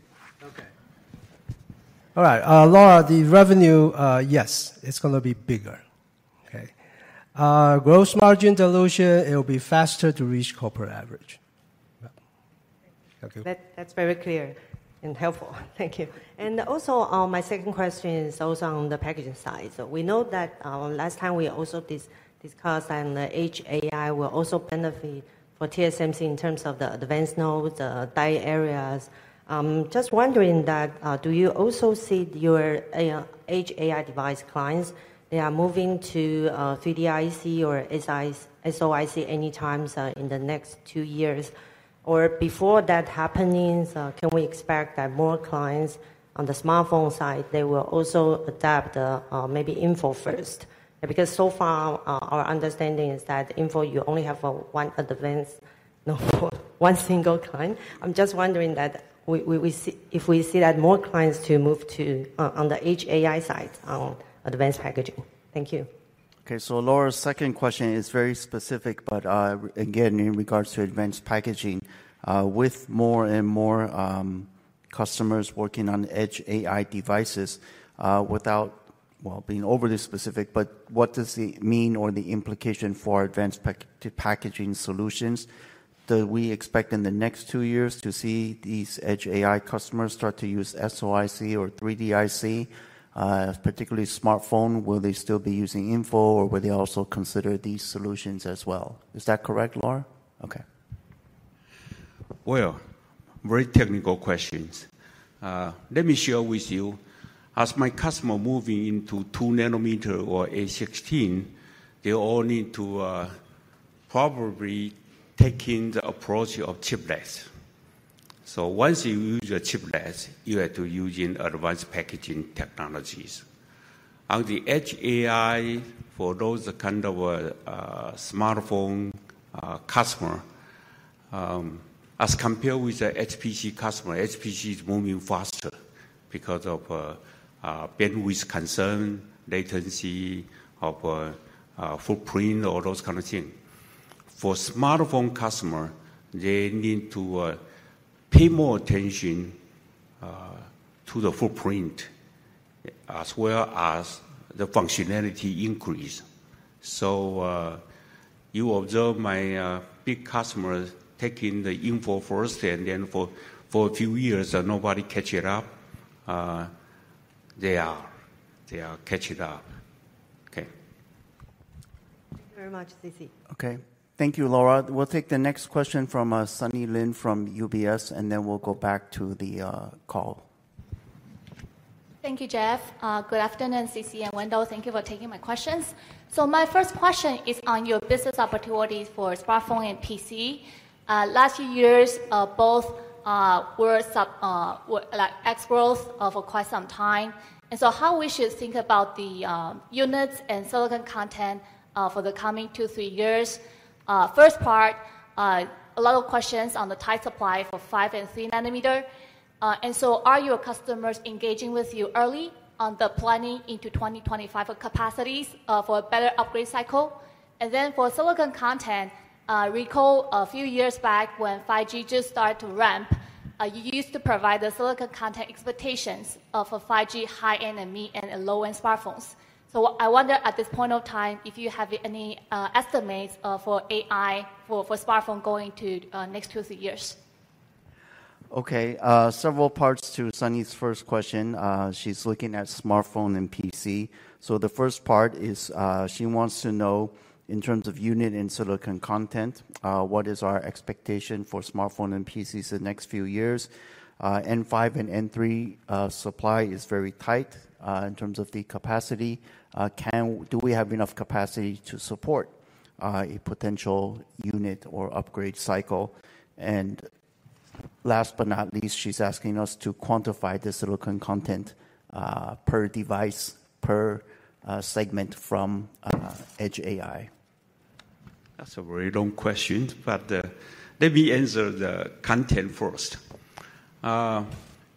All right, Laura, the revenue, yes, it's gonna be bigger. Okay? Gross margin dilution, it'll be faster to reach corporate average. Yeah. Thank you. That, that's very clear and helpful. Thank you. And also, my second question is also on the packaging side. So we know that, last time we also discussed on the edge AI will also benefit for TSMC in terms of the advanced nodes, die areas. Just wondering that, do you also see your, edge AI device clients, they are moving to, 3-D IC or SoIC anytime, in the next two years? Or before that happening, can we expect that more clients on the smartphone side, they will also adapt, maybe InFO first? Because so far, our understanding is that InFO, you only have, one advanced, one single client. I'm just wondering that if we see that more clients to move to, on the edge AI side on advanced packaging. Thank you. Okay, so Laura's second question is very specific, but again, in regards to advanced packaging, with more and more customers working on edge AI devices, without well, being overly specific, but what does it mean or the implication for advanced packaging solutions? Do we expect in the next two years to see these edge AI customers start to use SoIC or 3D IC, particularly smartphone? Will they still be using InFO, or will they also consider these solutions as well? Is that correct, Laura? Okay. Well, very technical questions. Let me share with you, as my customer moving into 2-nanometer or A16, they all need to, probably take in the approach of chiplets. So once you use your chiplets, you have to use advanced packaging technologies... on the edge AI for those kind of, smartphone, customer, as compared with the HPC customer, HPC is moving faster because of, bandwidth concern, latency of, footprint, all those kind of things. For smartphone customer, they need to, pay more attention, to the footprint, as well as the functionality increase. So, you observe my, big customers taking the InFO first, and then for, for a few years, nobody catch it up. They are, they are catch it up. Okay. Thank you very much, C.C. Okay. Thank you, Laura. We'll take the next question from Sunny Lin from UBS, and then we'll go back to the call. Thank you, Jeff. Good afternoon, C.C. and Wendell. Thank you for taking my questions. So my first question is on your business opportunities for smartphone and PC. Last few years, both were some were like ex-growth for quite some time. And so how should we think about the units and silicon content for the coming 2, 3 years? First part, a lot of questions on the tight supply for 5 and 3 nanometer. And so are your customers engaging with you early on the planning into 2025 capacities for a better upgrade cycle? And then for silicon content, recall a few years back when 5G just started to ramp, you used to provide the silicon content expectations for 5G high-end and mid-end and low-end smartphones. I wonder, at this point of time, if you have any estimates for AI, for smartphone going to next 2, 3 years? Okay, several parts to Sunny's first question. She's looking at smartphone and PC. So the first part is, she wants to know, in terms of unit and silicon content, what is our expectation for smartphone and PCs the next few years? N5 and N3, supply is very tight, in terms of the capacity. Do we have enough capacity to support, a potential unit or upgrade cycle? And last but not least, she's asking us to quantify the silicon content, per device, per, segment from, Edge AI. That's a very long question, but let me answer the content first.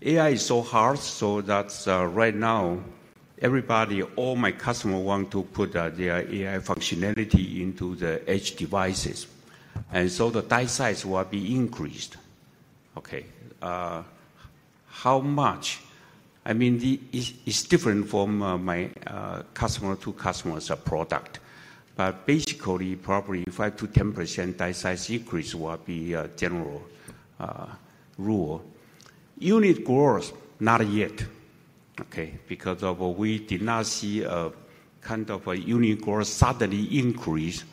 AI is so hard, so that's right now, everybody, all my customer want to put their AI functionality into the edge devices, and so the die size will be increased. Okay. How much? I mean, the... It, it's different from my customer to customer's product, but basically, probably 5%-10% die size increase will be a general rule. Unit growth, not yet, okay? Because of we did not see a kind of a unit growth suddenly increase,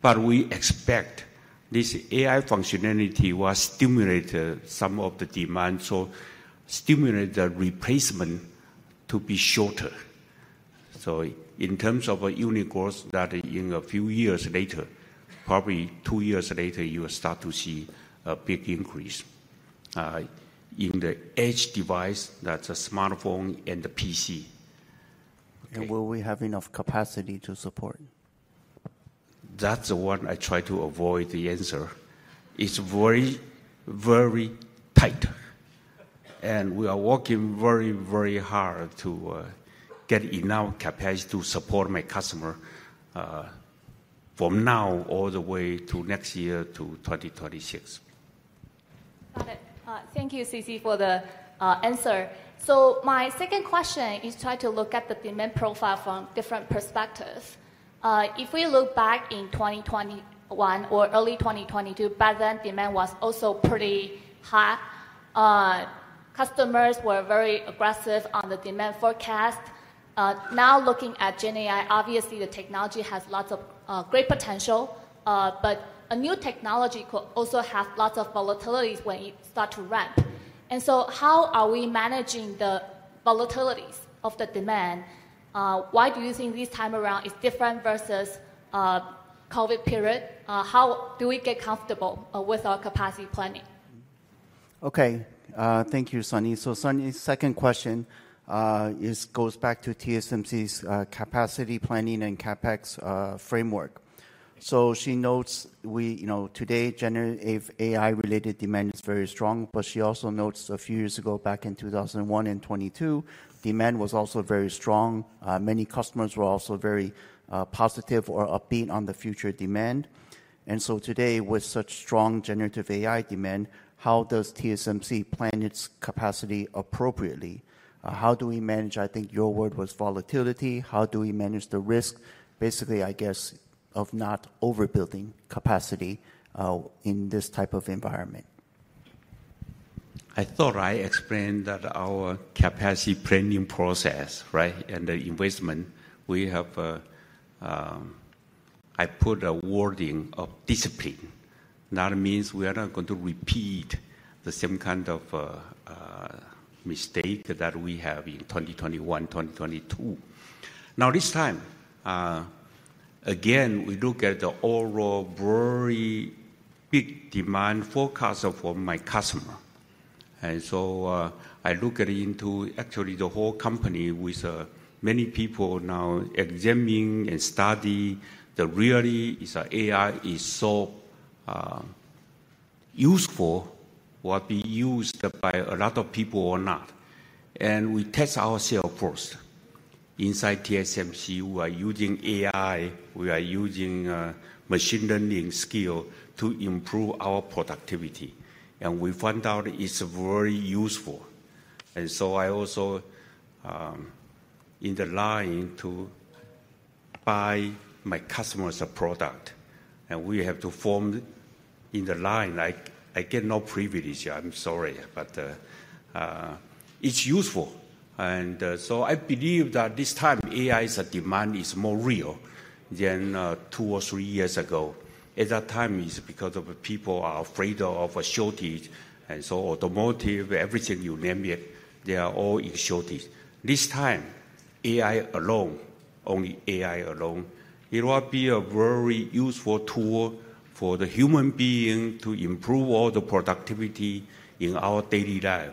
but we expect this AI functionality will stimulate some of the demand, so stimulate the replacement to be shorter. So in terms of a unit growth, that in a few years later, probably 2 years later, you will start to see a big increase in the edge device, that's a smartphone and the PC. Will we have enough capacity to support? That's the one I try to avoid the answer. It's very, very tight, and we are working very, very hard to get enough capacity to support my customer from now all the way to next year, to 2026. Got it. Thank you, C.C., for the answer. So my second question is try to look at the demand profile from different perspectives. If we look back in 2021 or early 2022, back then, demand was also pretty high. Customers were very aggressive on the demand forecast. Now looking at Gen AI, obviously the technology has lots of great potential, but a new technology could also have lots of volatilities when it start to ramp. And so how are we managing the volatilities of the demand? Why do you think this time around is different versus the COVID period? How do we get comfortable with our capacity planning? Okay. Thank you, Sunny. So Sunny's second question is goes back to TSMC's capacity planning and CapEx framework. So she notes we, you know, today, generative AI-related demand is very strong, but she also notes a few years ago, back in 2021 and 2022, demand was also very strong. Many customers were also very positive or upbeat on the future demand. And so today, with such strong generative AI demand, how does TSMC plan its capacity appropriately? How do we manage, I think your word was volatility? How do we manage the risk, basically, I guess, of not overbuilding capacity in this type of environment? I thought I explained that our capacity planning process, right, and the investment we have. I put a wording of discipline. That means we are not going to repeat the same kind of mistake that we have in 2021, 2022. Now, this time, we look at the overall very big demand forecast for my customer, and so, I look it into actually the whole company with many people now examining and study that really is, AI is so useful, will be used by a lot of people or not. And we test ourself first. Inside TSMC, we are using AI, we are using machine learning skill to improve our productivity, and we found out it's very useful. And so I also in the line to buy my customers a product, and we have to form in the line. I get no privilege here, I'm sorry, but it's useful. And so I believe that this time, AI's demand is more real than two or three years ago. At that time, it's because people are afraid of a shortage, and so automotive, everything, you name it, they are all in shortage. This time, AI alone, only AI alone, it will be a very useful tool for the human being to improve all the productivity in our daily life.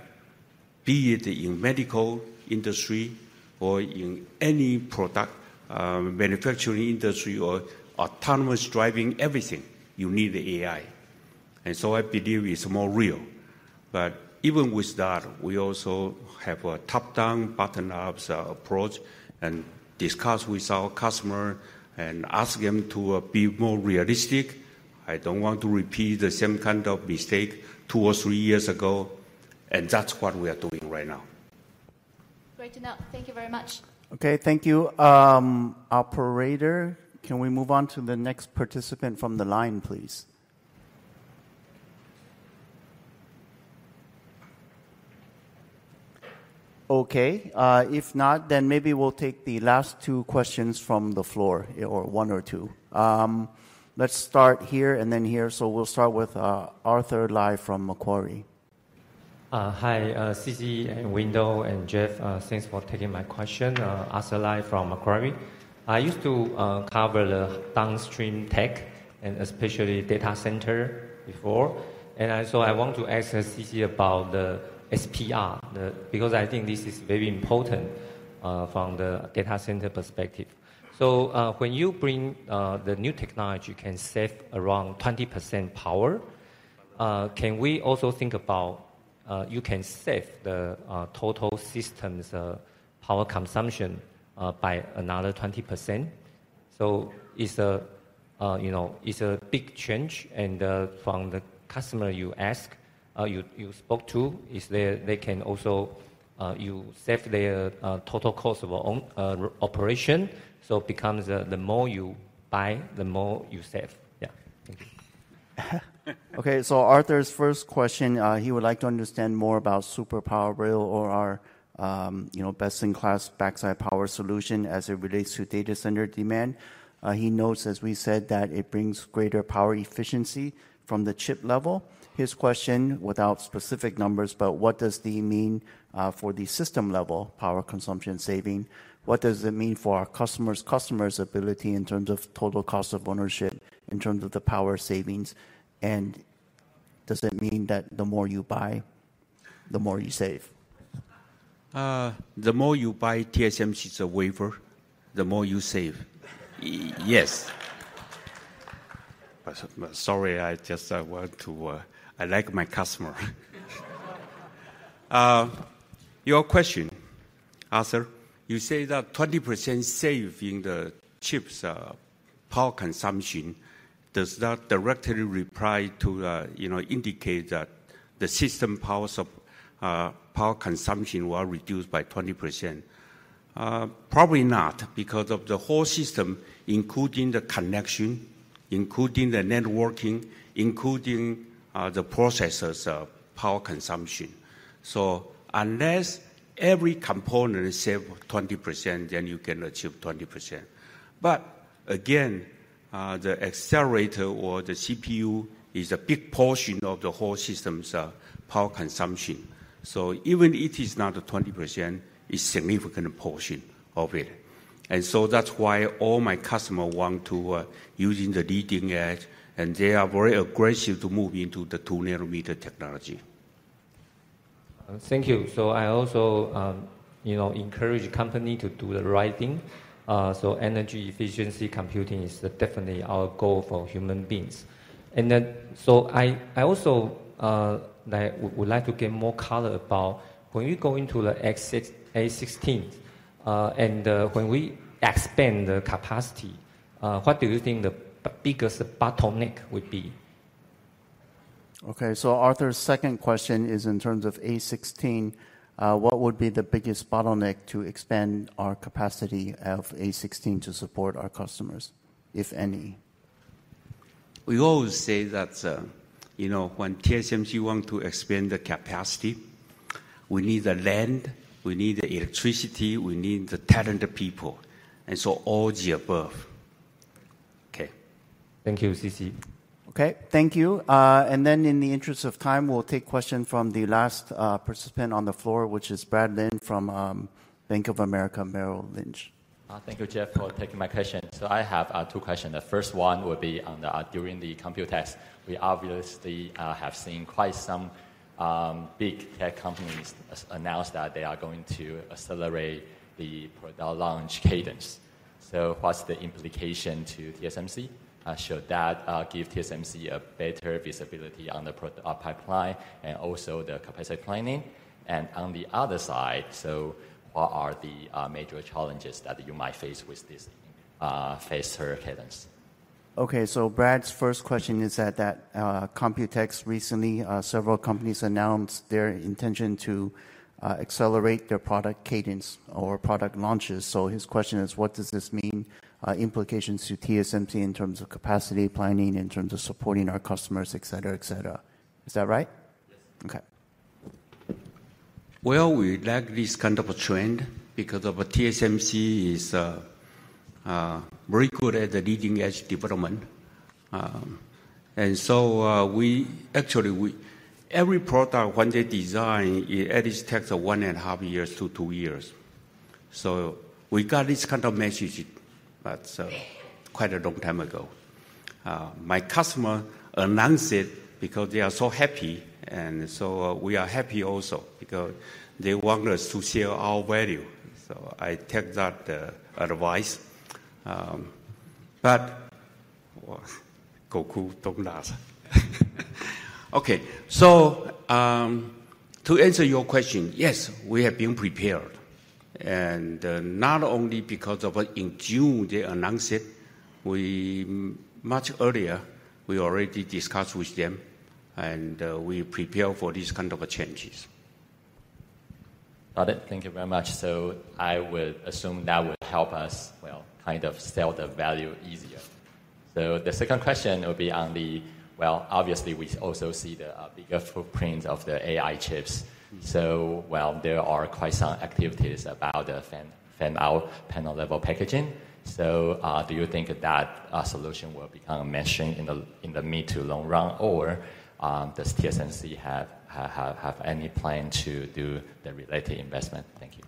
Be it in medical industry or in any product manufacturing industry or autonomous driving, everything, you need the AI. And so I believe it's more real. But even with that, we also have a top-down, bottom-up approach, and discuss with our customer and ask them to be more realistic. I don't want to repeat the same kind of mistake two or three years ago, and that's what we are doing right now. Great to know. Thank you very much. Okay, thank you. Operator, can we move on to the next participant from the line, please? Okay, if not, then maybe we'll take the last two questions from the floor, or one or two. Let's start here and then here, so we'll start with Arthur Lai from Macquarie. Hi, C.C., Wendell, and Jeff. Thanks for taking my question. Arthur Lai from Macquarie. I used to cover the downstream tech, and especially data center before, and so I want to ask C.C. about the SPR, the... because I think this is very important, from the data center perspective. So, when you bring the new technology can save around 20% power, can we also think about, you can save the total system's power consumption by another 20%? So it's a, you know, it's a big change, and from the customer you ask, you spoke to, they can also, you save their total cost of own operation. So it becomes the, the more you buy, the more you save. Yeah. Thank you. Okay, so Arthur's first question, he would like to understand more about Super Power Rail or our, you know, best-in-class backside power solution as it relates to data center demand. He notes, as we said, that it brings greater power efficiency from the chip level. His question, without specific numbers, but what does this mean for the system-level power consumption saving? What does it mean for our customers' customers' ability in terms of total cost of ownership, in terms of the power savings? And does it mean that the more you buy, the more you save? The more you buy TSMC's wafer, the more you save. Yes. Sorry, I just want to... I like my customer. Your question, Arthur, you say that 20% saving the chip's power consumption, does that directly reply to, you know, indicate that the system power consumption will reduce by 20%? Probably not, because of the whole system, including the connection, including the networking, including the processor's power consumption. So unless every component save 20%, then you can achieve 20%. But again, the accelerator or the CPU is a big portion of the whole system's power consumption, so even if it is not a 20%, it's significant portion of it. And so that's why all my customer want to using the leading edge, and they are very aggressive to move into the 2-nanometer technology. Thank you. So I also, you know, encourage company to do the right thing. So energy efficiency computing is definitely our goal for human beings. And then, so I also would like to get more color about when you go into the next A16, and when we expand the capacity, what do you think the biggest bottleneck would be? Okay, so Arthur's second question is, in terms of A16, what would be the biggest bottleneck to expand our capacity of A16 to support our customers, if any? We always say that, you know, when TSMC want to expand the capacity, we need the land, we need the electricity, we need the talented people, and so all the above. Okay. Thank you, C.C. Okay, thank you. And then in the interest of time, we'll take question from the last participant on the floor, which is Brad Lin from Bank of America Merrill Lynch.... Thank you, Jeff, for taking my question. So I have two questions. The first one will be on the Computex. We obviously have seen quite some big tech companies announce that they are going to accelerate the product launch cadence. So what's the implication to TSMC? Should that give TSMC a better visibility on the product pipeline and also the capacity planning? And on the other side, what are the major challenges that you might face with this faster cadence? Okay, so Brad's first question is that Computex recently several companies announced their intention to accelerate their product cadence or product launches. So his question is, what does this mean, implications to TSMC in terms of capacity planning, in terms of supporting our customers, et cetera, et cetera. Is that right? Yes. Okay. Well, we like this kind of a trend because TSMC is very good at the leading-edge development. And so, we actually, every product, when they design, it at least takes 1.5-2 years. So we got this kind of message, but quite a long time ago. My customer announce it because they are so happy, and so, we are happy also because they want us to share our value. So I take that advice. But, Gokul, don't ask. Okay, so, to answer your question, yes, we have been prepared, and, not only because in June they announced it, we much earlier we already discussed with them, and, we prepare for these kind of changes. Got it. Thank you very much. So I would assume that would help us, well, kind of sell the value easier. So the second question will be on the... Well, obviously, we also see the bigger footprint of the AI chips. So well, there are quite some activities about the fan-out panel level packaging. So, do you think that solution will become a mainstream in the mid to long run, or, does TSMC have any plan to do the related investment? Thank you.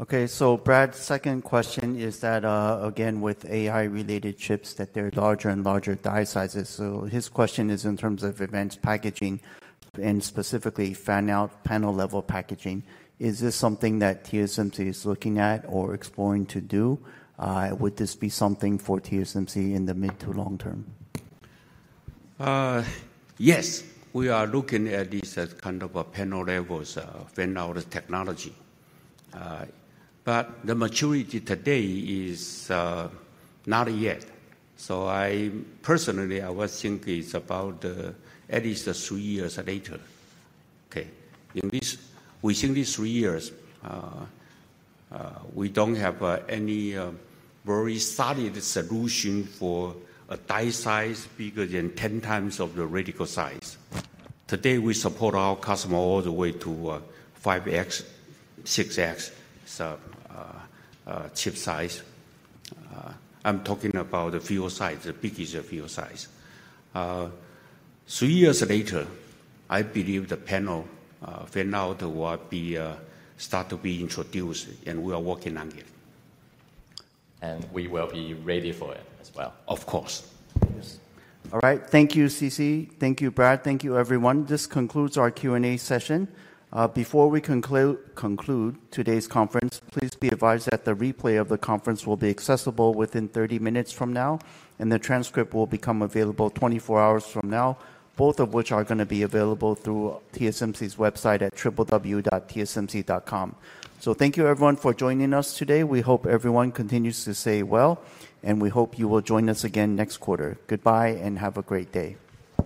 Okay, so Brad's second question is that, again, with AI-related chips, that they're larger and larger die sizes. His question is in terms of advanced packaging and specifically fan-out panel level packaging, is this something that TSMC is looking at or exploring to do? Would this be something for TSMC in the mid to long term? Yes, we are looking at this as kind of a panel-level fan-out technology. But the maturity today is not yet. So I personally, I would think it's about at least 3 years later. Within these 3 years, we don't have any very solid solution for a die size bigger than 10 times of the reticle size. Today, we support our customer all the way to 5x, 6x, so chip size. I'm talking about the feature size, the biggest of feature size. 3 years later, I believe the panel fan-out will start to be introduced, and we are working on it. We will be ready for it as well, of course. Yes. All right. Thank you, C.C. Thank you, Brad. Thank you, everyone. This concludes our Q&A session. Before we conclude today's conference, please be advised that the replay of the conference will be accessible within 30 minutes from now, and the transcript will become available 24 hours from now, both of which are gonna be available through TSMC's website at www.tsmc.com. So thank you, everyone, for joining us today. We hope everyone continues to stay well, and we hope you will join us again next quarter. Goodbye, and have a great day.